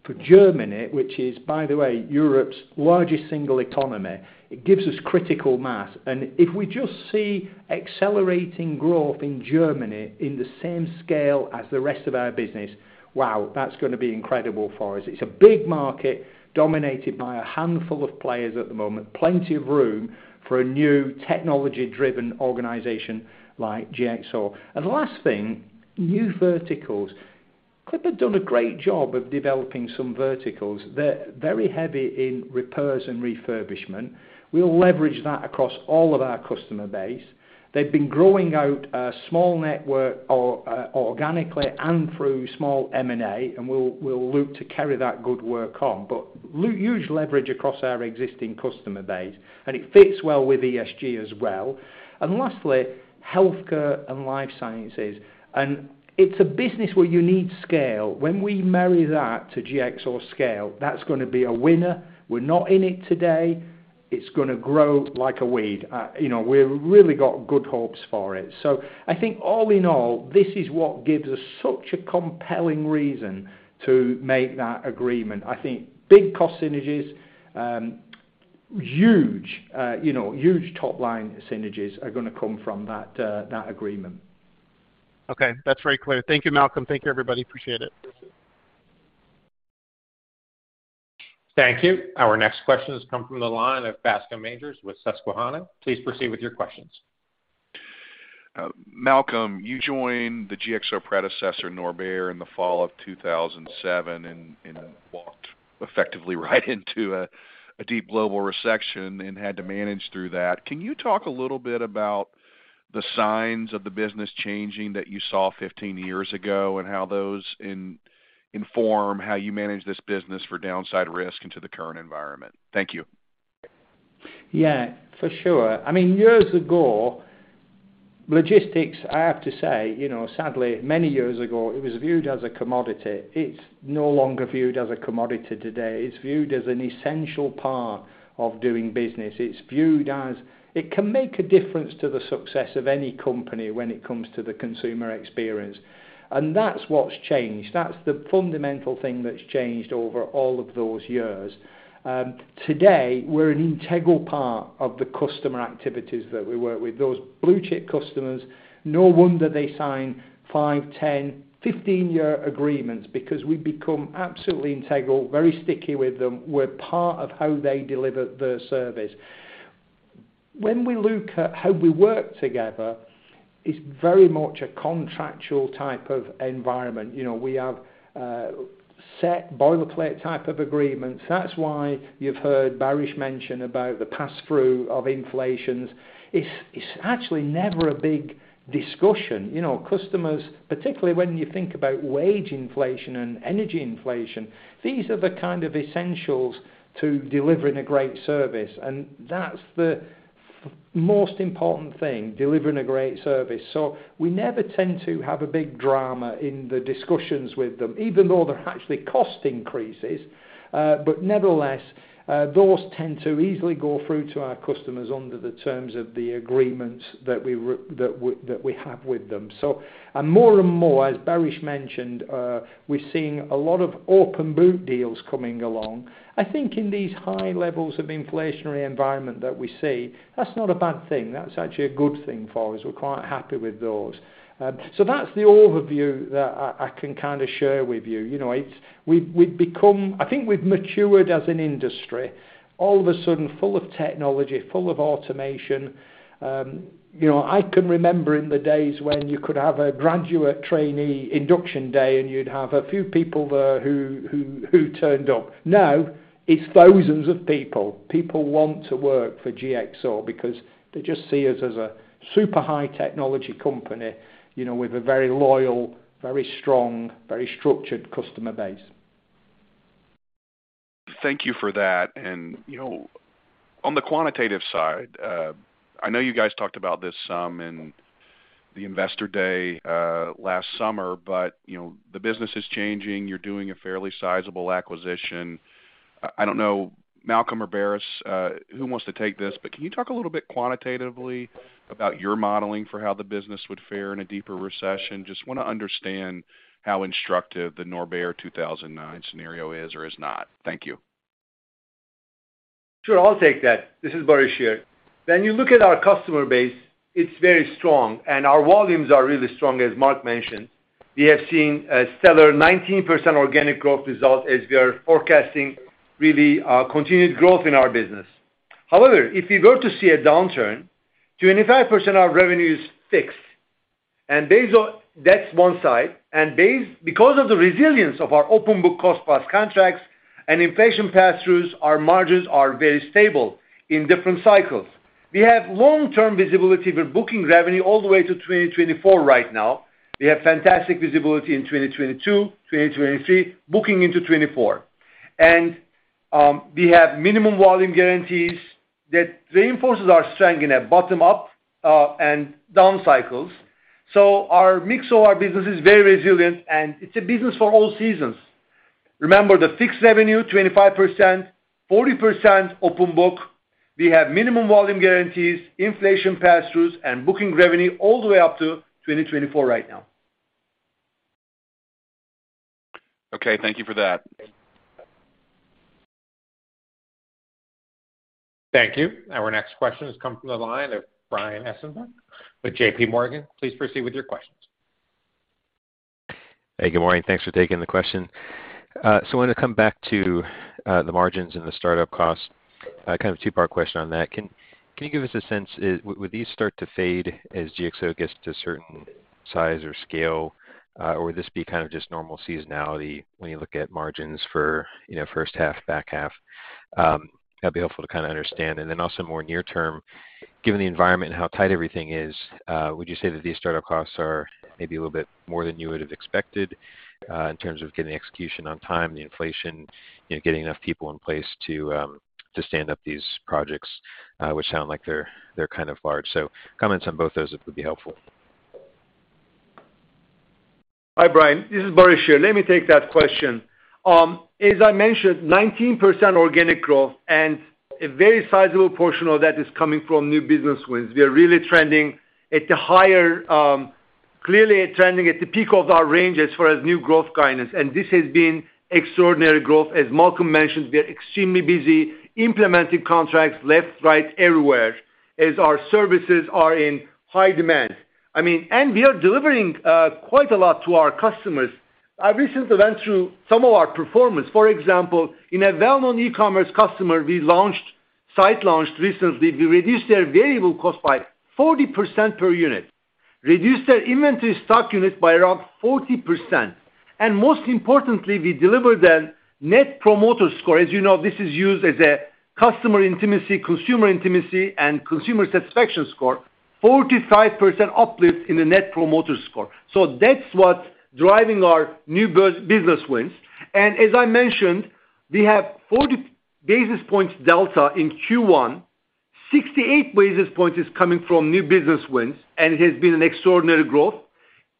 for Germany, which is by the way, Europe's largest single economy, it gives us critical mass. If we just see accelerating growth in Germany in the same scale as the rest of our business, wow, that's gonna be incredible for us. It's a big market dominated by a handful of players at the moment. Plenty of room for a new technology-driven organization like GXO. The last thing, new verticals. Clipper have done a great job of developing some verticals. They're very heavy in repairs and refurbishment. We'll leverage that across all of our customer base. They've been growing out a small network or organically and through small M&A, and we'll look to carry that good work on. Huge leverage across our existing customer base, and it fits well with ESG as well. Lastly, healthcare and life sciences. It's a business where you need scale. When we marry that to GXO scale, that's gonna be a winner. We're not in it today. It's gonna grow like a weed. You know, we've really got good hopes for it. I think all in all, this is what gives us such a compelling reason to make that agreement. I think big cost synergies, huge, you know, huge top-line synergies are gonna come from that agreement. Okay. That's very clear. Thank you, Malcolm. Thank you, everybody. Appreciate it. Thank you. Thank you. Our next question has come from the line of Bascome Majors with Susquehanna. Please proceed with your questions. Malcolm, you joined the GXO predecessor, Norbert Dentressangle, in the fall of 2007 and walked effectively right into a deep global recession and had to manage through that. Can you talk a little bit about the signs of the business changing that you saw 15 years ago, and how those inform how you manage this business for downside risk into the current environment? Thank you. Yeah, for sure. I mean, years ago, logistics, I have to say, you know, sadly many years ago, it was viewed as a commodity. It's no longer viewed as a commodity today. It's viewed as an essential part of doing business. It's viewed as. It can make a difference to the success of any company when it comes to the consumer experience, and that's what's changed. That's the fundamental thing that's changed over all of those years. Today, we're an integral part of the customer activities that we work with. Those blue-chip customers, no wonder they sign five, 10, 15-year agreements because we've become absolutely integral, very sticky with them. We're part of how they deliver their service. When we look at how we work together, it's very much a contractual type of environment. You know, we have set boilerplate type of agreements. That's why you've heard Baris mention about the pass-through of inflation. It's actually never a big discussion. You know, customers, particularly when you think about wage inflation and energy inflation, these are the kind of essentials to delivering a great service, and that's the most important thing, delivering a great service. We never tend to have a big drama in the discussions with them, even though they're actually cost increases. Nevertheless, those tend to easily go through to our customers under the terms of the agreements that we have with them. More and more, as Baris mentioned, we're seeing a lot of open book deals coming along. I think in these high levels of inflationary environment that we see, that's not a bad thing. That's actually a good thing for us. We're quite happy with those. That's the overview that I can kind of share with you. You know, we've become, I think we've matured as an industry all of a sudden full of technology, full of automation. You know, I can remember in the days when you could have a graduate trainee induction day, and you'd have a few people there who turned up. Now, it's thousands of people. People want to work for GXO because they just see us as a super high technology company, you know, with a very loyal, very strong, very structured customer base. Thank you for that. You know, on the quantitative side, I know you guys talked about this some in the investor day last summer, but you know, the business is changing. You're doing a fairly sizable acquisition. I don't know, Malcolm or Baris, who wants to take this, but can you talk a little bit quantitatively about your modeling for how the business would fare in a deeper recession? Just wanna understand how instructive the Norbert 2009 scenario is or is not. Thank you. Sure. I'll take that. This is Baris here. When you look at our customer base, it's very strong, and our volumes are really strong, as Mark mentioned. We have seen a stellar 19% organic growth result as we are forecasting really continued growth in our business. However, if we were to see a downturn, 25% of revenue is fixed, and based on that. That's one side, and because of the resilience of our open book cost plus contracts and inflation pass-throughs, our margins are very stable in different cycles. We have long-term visibility. We're booking revenue all the way to 2024 right now. We have fantastic visibility in 2022, 2023, booking into 2024. We have minimum volume guarantees that reinforces our strength in up and down cycles. Our mix of our business is very resilient, and it's a business for all seasons. Remember, the fixed revenue, 25%, 40% open book. We have minimum volume guarantees, inflation pass-throughs, and booking revenue all the way up to 2024 right now. Okay. Thank you for that. Thank you. Our next question has come from the line of Brian Ossenbeck with J.P. Morgan. Please proceed with your questions. Hey, good morning. Thanks for taking the question. I wanna come back to the margins and the startup costs. Kind of a two-part question on that. Can you give us a sense, would these start to fade as GXO gets to a certain size or scale, or would this be kind of just normal seasonality when you look at margins for, you know, first half, back half? That'd be helpful to kinda understand. Also more near term, given the environment and how tight everything is, would you say that these startup costs are maybe a little bit more than you would have expected, in terms of getting execution on time, the inflation, you know, getting enough people in place to stand up these projects, which sound like they're kind of large? Comments on both those would be helpful. Hi, Brian. This is Baris here. Let me take that question. As I mentioned, 19% organic growth and a very sizable portion of that is coming from new business wins. We are really trending at the higher, clearly trending at the peak of our range as far as new growth guidance, and this has been extraordinary growth. As Malcolm mentioned, we are extremely busy implementing contracts left, right, everywhere, as our services are in high demand. I mean, we are delivering quite a lot to our customers. I recently went through some of our performance. For example, in a well-known e-commerce customer, we launched, site launched recently. We reduced their variable cost by 40% per unit, reduced their inventory stock unit by around 40%, and most importantly, we delivered them Net Promoter Score. As you know, this is used as a customer intimacy, consumer intimacy, and consumer satisfaction score. 45% uplift in the Net Promoter Score. That's what's driving our new business wins. As I mentioned, we have 40 basis points delta in Q1. 68 basis points is coming from new business wins and has been an extraordinary growth.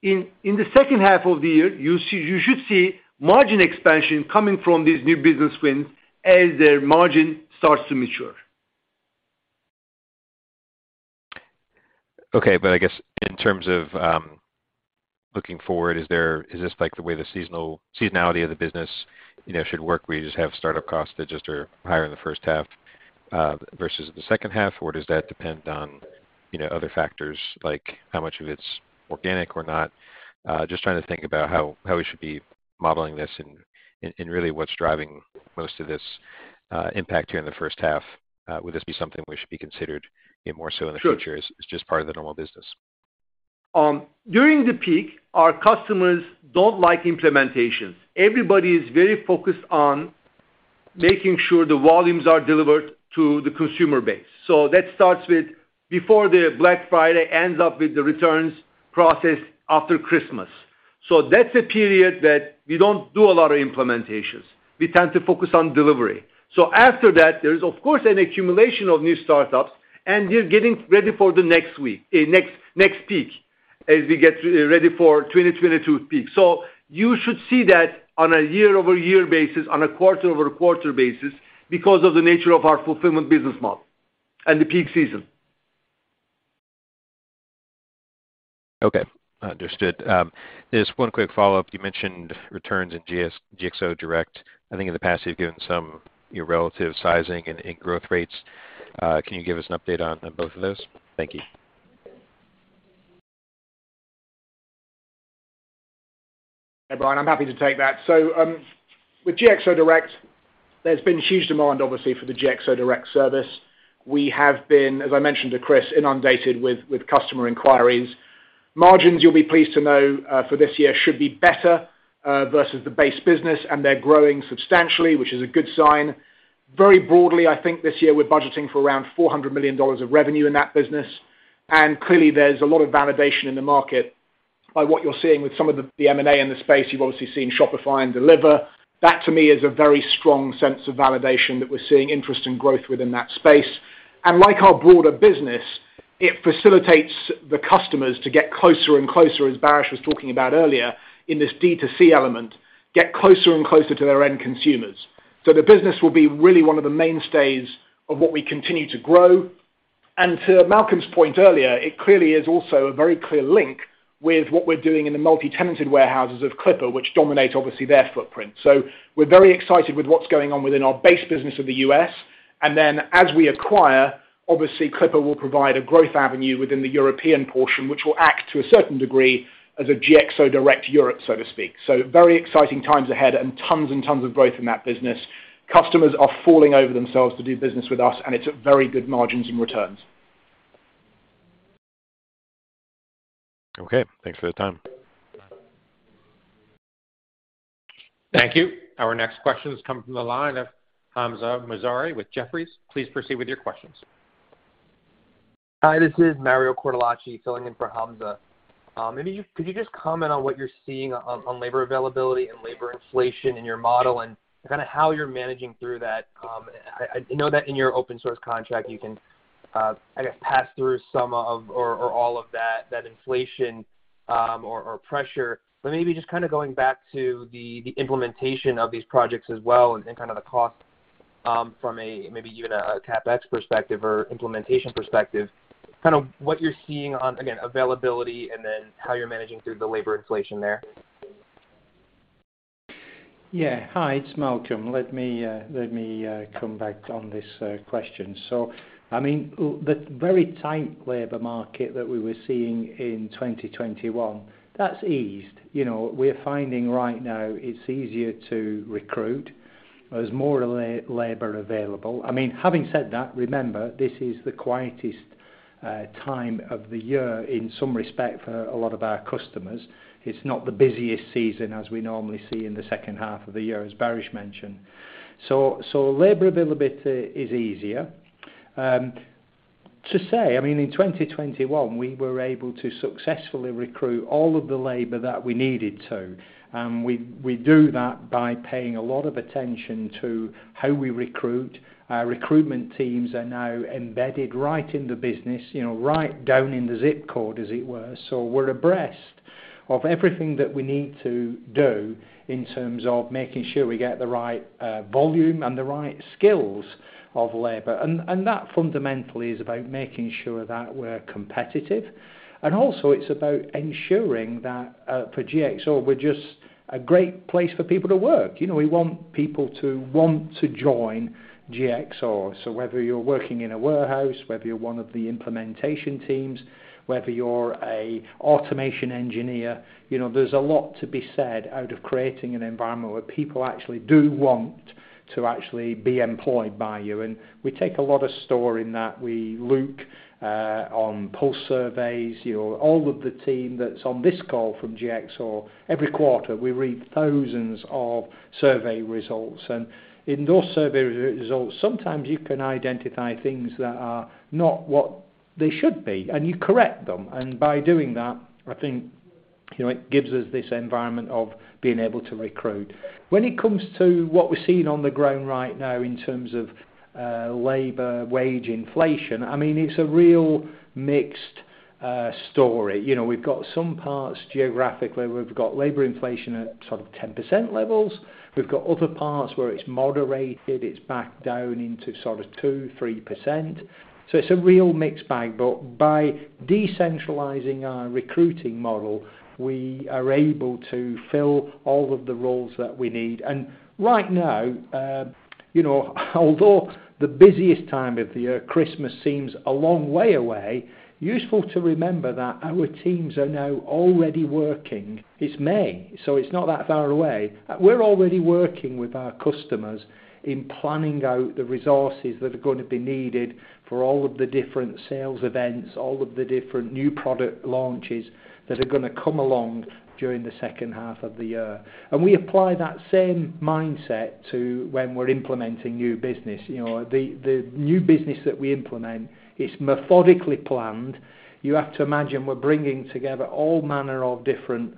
In the second half of the year, you should see margin expansion coming from these new business wins as their margin starts to mature. Okay, I guess in terms of looking forward, is this like the way the seasonality of the business, you know, should work, where you just have startup costs that just are higher in the first half versus the second half? Or does that depend on, you know, other factors like how much of it's organic or not? Just trying to think about how we should be modeling this and really what's driving most of this impact here in the first half. Would this be something we should be considered more so in the future? Sure. As just part of the normal business? During the peak, our customers don't like implementations. Everybody is very focused on making sure the volumes are delivered to the consumer base. That starts with before the Black Friday, ends up with the returns process after Christmas. That's a period that we don't do a lot of implementations. We tend to focus on delivery. After that, there is of course an accumulation of new startups, and we're getting ready for the next week, next peak as we get ready for 2022 peak. You should see that on a year-over-year basis, on a quarter-over-quarter basis because of the nature of our fulfillment business model and the peak season. Okay. Understood. Just one quick follow-up. You mentioned returns in GXO Direct. I think in the past, you've given some, your relative sizing and growth rates. Can you give us an update on both of those? Thank you. Yeah, Brian, I'm happy to take that. With GXO Direct, there's been huge demand obviously for the GXO Direct service. We have been, as I mentioned to Chris, inundated with customer inquiries. Margins, you'll be pleased to know, for this year should be better versus the base business, and they're growing substantially, which is a good sign. Very broadly, I think this year we're budgeting for around $400 million of revenue in that business. Clearly there's a lot of validation in the market by what you're seeing with some of the M&A in the space. You've obviously seen Shopify and Deliverr. That to me is a very strong sense of validation that we're seeing interest and growth within that space. It facilitates the customers to get closer and closer, as Baris was talking about earlier, in this D2C element, get closer and closer to their end consumers. The business will be really one of the mainstays of what we continue to grow. To Malcolm's point earlier, it clearly is also a very clear link with what we're doing in the multi-tenanted warehouses of Clipper, which dominate obviously their footprint. We're very excited with what's going on within our base business of the U.S. Then as we acquire, obviously, Clipper will provide a growth avenue within the European portion, which will act to a certain degree as a GXO Direct Europe, so to speak. Very exciting times ahead and tons and tons of growth in that business. Customers are falling over themselves to do business with us, and it's at very good margins in returns. Okay. Thanks for the time. Thank you. Our next question is coming from the line of Hamzah Mazari with Jefferies. Please proceed with your questions. Hi, this is Mario Cortellacci filling in for Hamzah. Maybe could you just comment on what you're seeing on labor availability and labor inflation in your model and kinda how you're managing through that? I know that in your open book contract, you can I guess pass through some of or all of that inflation or pressure. Maybe just kinda going back to the implementation of these projects as well and kind of the cost from a maybe even a CapEx perspective or implementation perspective, kind of what you're seeing on again availability and then how you're managing through the labor inflation there. Yeah. Hi, it's Malcolm. Let me come back on this question. I mean, the very tight labor market that we were seeing in 2021, that's eased. You know, we're finding right now it's easier to recruit. There's more labor available. I mean, having said that, remember, this is the quietest time of the year in some respect for a lot of our customers. It's not the busiest season as we normally see in the second half of the year, as Baris mentioned. Labor availability is easier. To say, I mean, in 2021, we were able to successfully recruit all of the labor that we needed to. We do that by paying a lot of attention to how we recruit. Our recruitment teams are now embedded right in the business, you know, right down in the ZIP code as it were. We're abreast of everything that we need to do in terms of making sure we get the right volume and the right skills of labor. That fundamentally is about making sure that we're competitive. It's about ensuring that for GXO, we're just a great place for people to work. You know, we want people to want to join GXO. Whether you're working in a warehouse, whether you're one of the implementation teams, whether you're a automation engineer, you know, there's a lot to be said for creating an environment where people actually do want to actually be employed by you. We take a lot of stock in that. We look on pulse surveys. You know, all of the team that's on this call from GXO, every quarter, we read thousands of survey results. In those survey results, sometimes you can identify things that are not what they should be, and you correct them. By doing that, I think, you know, it gives us this environment of being able to recruit. When it comes to what we're seeing on the ground right now in terms of labor wage inflation, I mean, it's a real mixed story. You know, we've got some parts geographically. We've got labor inflation at sort of 10% levels. We've got other parts where it's moderated. It's back down into sort of 2%-3%. It's a real mixed bag. By decentralizing our recruiting model, we are able to fill all of the roles that we need. Right now, you know, although the busiest time of the year, Christmas seems a long way away, useful to remember that our teams are now already working. It's May, so it's not that far away. We're already working with our customers in planning out the resources that are gonna be needed for all of the different sales events, all of the different new product launches that are gonna come along during the second half of the year. We apply that same mindset to when we're implementing new business. You know, the new business that we implement, it's methodically planned. You have to imagine we're bringing together all manner of different,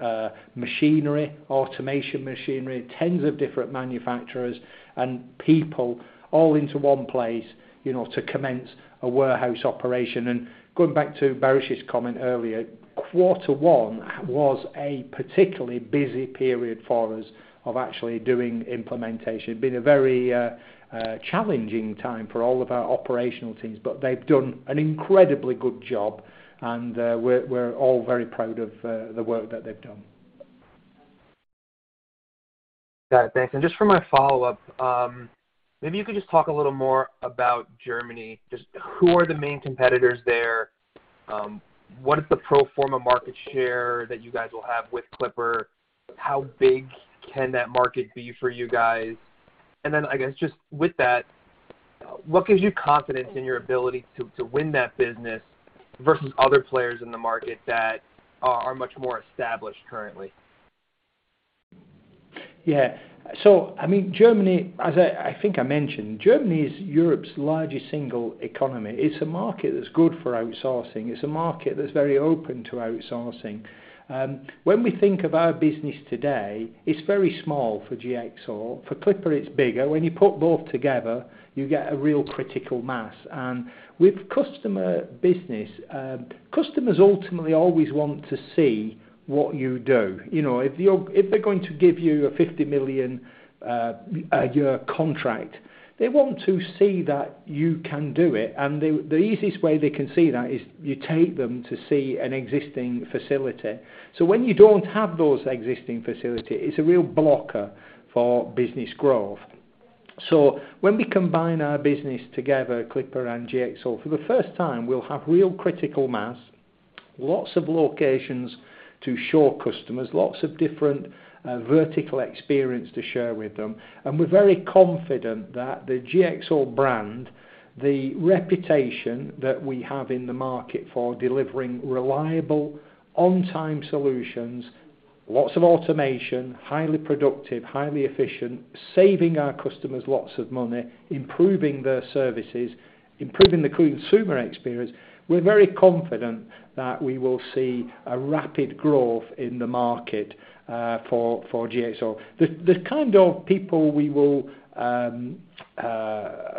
machinery, automation machinery, tens of different manufacturers and people all into one place, you know, to commence a warehouse operation. Going back to Baris's comment earlier, quarter one was a particularly busy period for us of actually doing implementation. Been a very challenging time for all of our operational teams, but they've done an incredibly good job, and we're all very proud of the work that they've done. Got it. Thanks. Just for my follow-up, maybe you could just talk a little more about Germany. Just who are the main competitors there? What is the pro forma market share that you guys will have with Clipper? How big can that market be for you guys? And then I guess just with that, what gives you confidence in your ability to win that business versus other players in the market that are much more established currently? I mean, Germany, as I think I mentioned, Germany is Europe's largest single economy. It's a market that's good for outsourcing. It's a market that's very open to outsourcing. When we think of our business today, it's very small for GXO. For Clipper, it's bigger. When you put both together, you get a real critical mass. With customer business, customers ultimately always want to see what you do. You know, if they're going to give you a $50 million year contract, they want to see that you can do it. The easiest way they can see that is you take them to see an existing facility. When you don't have those existing facility, it's a real blocker for business growth. When we combine our business together, Clipper and GXO, for the first time, we'll have real critical mass, lots of locations to show customers, lots of different, vertical experience to share with them. We're very confident that the GXO brand, the reputation that we have in the market for delivering reliable, on-time solutions, lots of automation, highly productive, highly efficient, saving our customers lots of money, improving their services, improving the consumer experience. We're very confident that we will see a rapid growth in the market, for GXO. The kind of people we will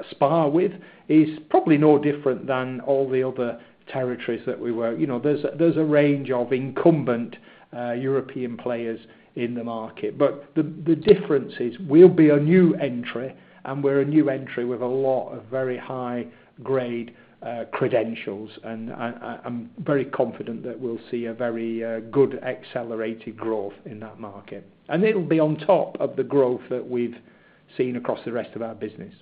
spar with is probably no different than all the other territories that we were. You know, there's a range of incumbent, European players in the market. The difference is we'll be a new entry, and we're a new entry with a lot of very high grade credentials. I'm very confident that we'll see a very good accelerated growth in that market. It'll be on top of the growth that we've seen across the rest of our business.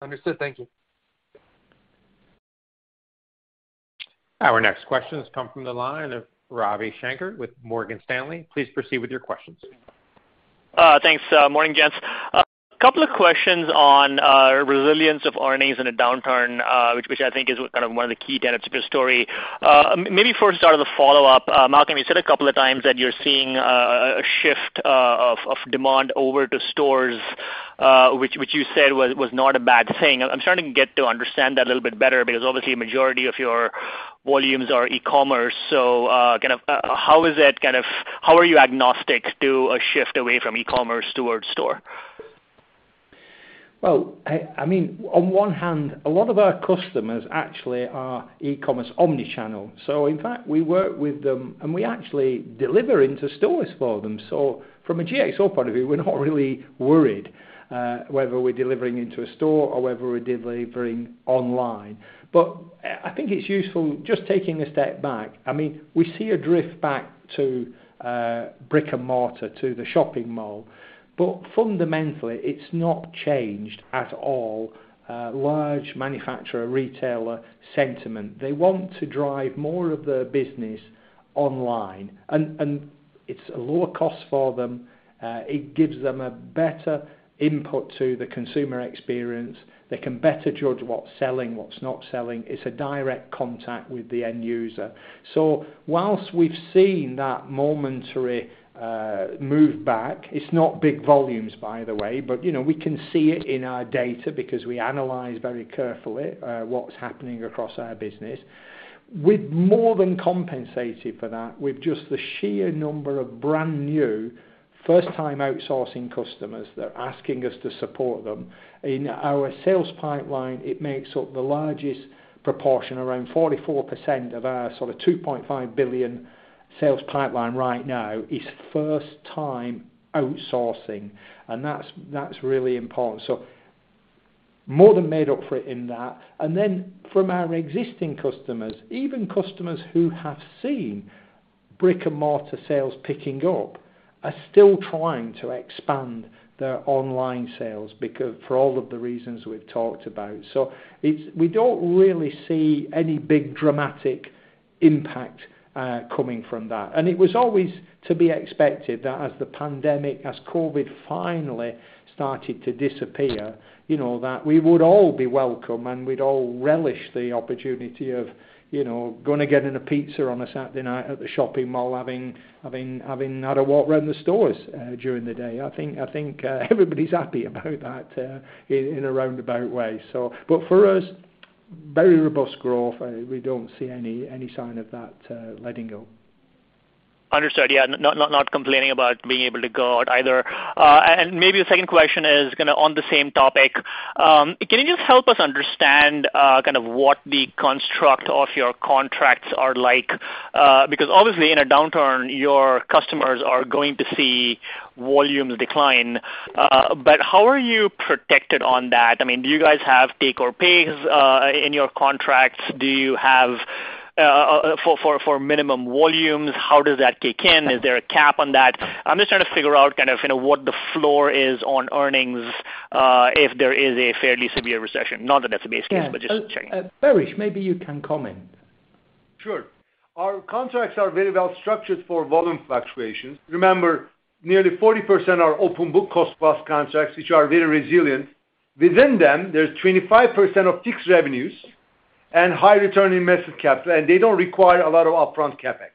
Understood. Thank you. Our next question has come from the line of Ravi Shanker with Morgan Stanley. Please proceed with your questions. Thanks. Morning, gents. Couple of questions on resilience of revenues in a downturn, which I think is kind of one of the key tenets of your story. Maybe first start with a follow-up. Malcolm, you said a couple of times that you're seeing a shift of demand over to stores, which you said was not a bad thing. I'm trying to get to understand that a little bit better because obviously majority of your volumes are e-commerce. How are you agnostic to a shift away from e-commerce towards store? Well, I mean, on one hand, a lot of our customers actually are e-commerce omni-channel. In fact, we work with them, and we actually deliver into stores for them. From a GXO point of view, we're not really worried whether we're delivering into a store or whether we're delivering online. I think it's useful just taking a step back. I mean, we see a drift back to brick-and-mortar to the shopping mall, but fundamentally, it's not changed at all, large manufacturer-retailer sentiment. They want to drive more of their business online, and it's a lower cost for them. It gives them a better input to the consumer experience. They can better judge what's selling, what's not selling. It's a direct contact with the end user. While we've seen that momentary move back, it's not big volumes, by the way, but you know, we can see it in our data because we analyze very carefully what's happening across our business. We've more than compensated for that with just the sheer number of brand new first time outsourcing customers that are asking us to support them. In our sales pipeline, it makes up the largest proportion. Around 44% of our sort of $2.5 billion sales pipeline right now is first time outsourcing, and that's really important. More than made up for it in that. From our existing customers, even customers who have seen brick-and-mortar sales picking up are still trying to expand their online sales because for all of the reasons we've talked about. We don't really see any big dramatic impact coming from that. It was always to be expected that as the pandemic, as COVID finally started to disappear, you know, that we would all be welcome, and we'd all relish the opportunity of, you know, gonna get a pizza on a Saturday night at the shopping mall, having had a walk around the stores during the day. I think everybody's happy about that in a roundabout way. For us, very robust growth. We don't see any sign of that letting go. Understood. Yeah. Not complaining about being able to go out either. Maybe the second question is kinda on the same topic. Can you just help us understand kind of what the construct of your contracts are like? Because obviously in a downturn, your customers are going to see volumes decline. How are you protected on that? I mean, do you guys have take-or-pay in your contracts? Do you have for minimum volumes? How does that kick in? Is there a cap on that? I'm just trying to figure out kind of, you know, what the floor is on earnings if there is a fairly severe recession. Not that that's the base case, just checking. Yeah. Baris, maybe you can comment. Sure. Our contracts are very well structured for volume fluctuations. Remember, nearly 40% are open book cost plus contracts, which are very resilient. Within them, there's 25% of fixed revenues. High return on invested capital, and they don't require a lot of upfront CapEx.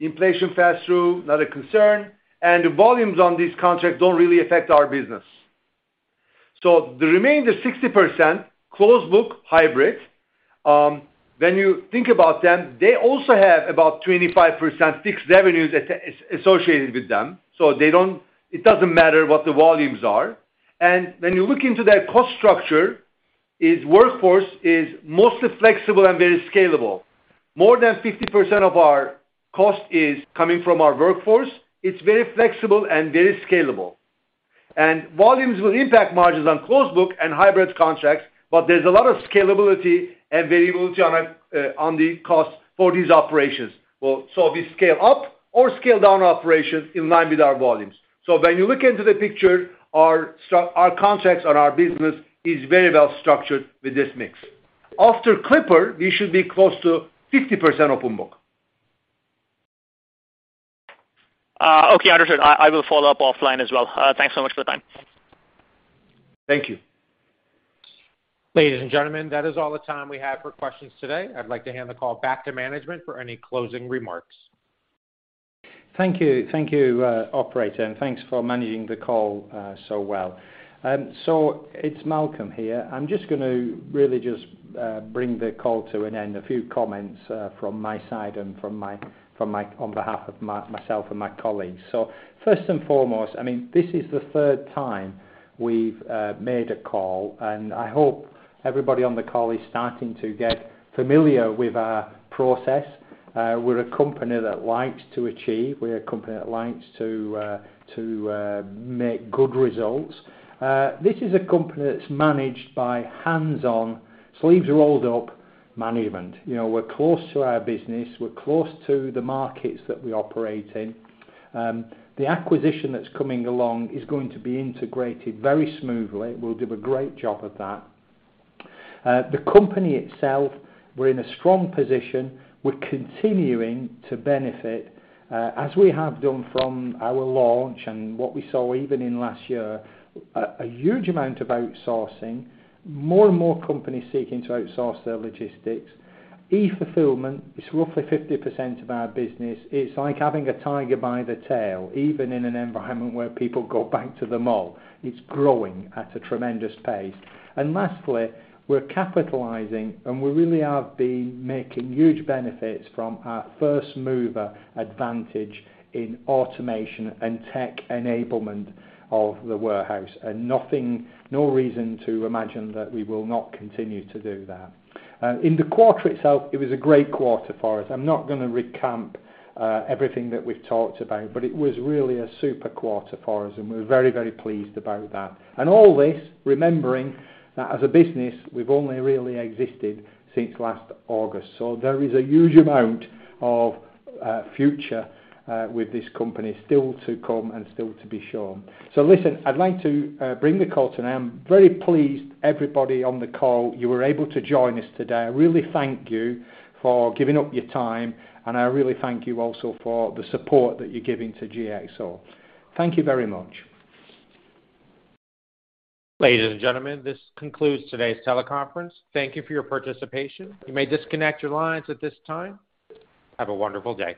Inflation pass-through, not a concern, and the volumes on these contracts don't really affect our business. The remaining 60% closed book hybrid, when you think about them, they also have about 25% fixed revenues associated with them, so they don't. It doesn't matter what the volumes are. When you look into their cost structure, its workforce is mostly flexible and very scalable. More than 50% of our cost is coming from our workforce. It's very flexible and very scalable. Volumes will impact margins on closed book and hybrid contracts, but there's a lot of scalability and variability on the costs for these operations. We scale up or scale down operations in line with our volumes. When you look into the picture, our contracts and our business is very well structured with this mix. After Clipper, we should be close to 50% open book. Okay, understood. I will follow up offline as well. Thanks so much for the time. Thank you. Ladies and gentlemen, that is all the time we have for questions today. I'd like to hand the call back to management for any closing remarks. Thank you. Thank you, operator, and thanks for managing the call so well. It's Malcolm here. I'm just gonna really just bring the call to an end. A few comments from my side and on behalf of myself and my colleagues. First and foremost, I mean, this is the third time we've made a call, and I hope everybody on the call is starting to get familiar with our process. We're a company that likes to achieve. We're a company that likes to make good results. This is a company that's managed by hands-on, sleeves-rolled-up management. You know, we're close to our business. We're close to the markets that we operate in. The acquisition that's coming along is going to be integrated very smoothly. We'll do a great job of that. The company itself, we're in a strong position. We're continuing to benefit as we have done from our launch and what we saw even in last year. A huge amount of outsourcing, more and more companies seeking to outsource their logistics. E-fulfillment is roughly 50% of our business. It's like having a tiger by the tail, even in an environment where people go back to the mall. It's growing at a tremendous pace. Lastly, we're capitalizing, and we really have been making huge benefits from our first-mover advantage in automation and tech enablement of the warehouse. Nothing, no reason to imagine that we will not continue to do that. In the quarter itself, it was a great quarter for us. I'm not gonna recap everything that we've talked about, but it was really a super quarter for us, and we're very, very pleased about that. All this, remembering that as a business, we've only really existed since last August. There is a huge amount of future with this company still to come and still to be shown. Listen, I'd like to bring the call to an end. I'm very pleased everybody on the call, you were able to join us today. I really thank you for giving up your time, and I really thank you also for the support that you're giving to GXO. Thank you very much. Ladies and gentlemen, this concludes today's teleconference. Thank you for your participation. You may disconnect your lines at this time. Have a wonderful day.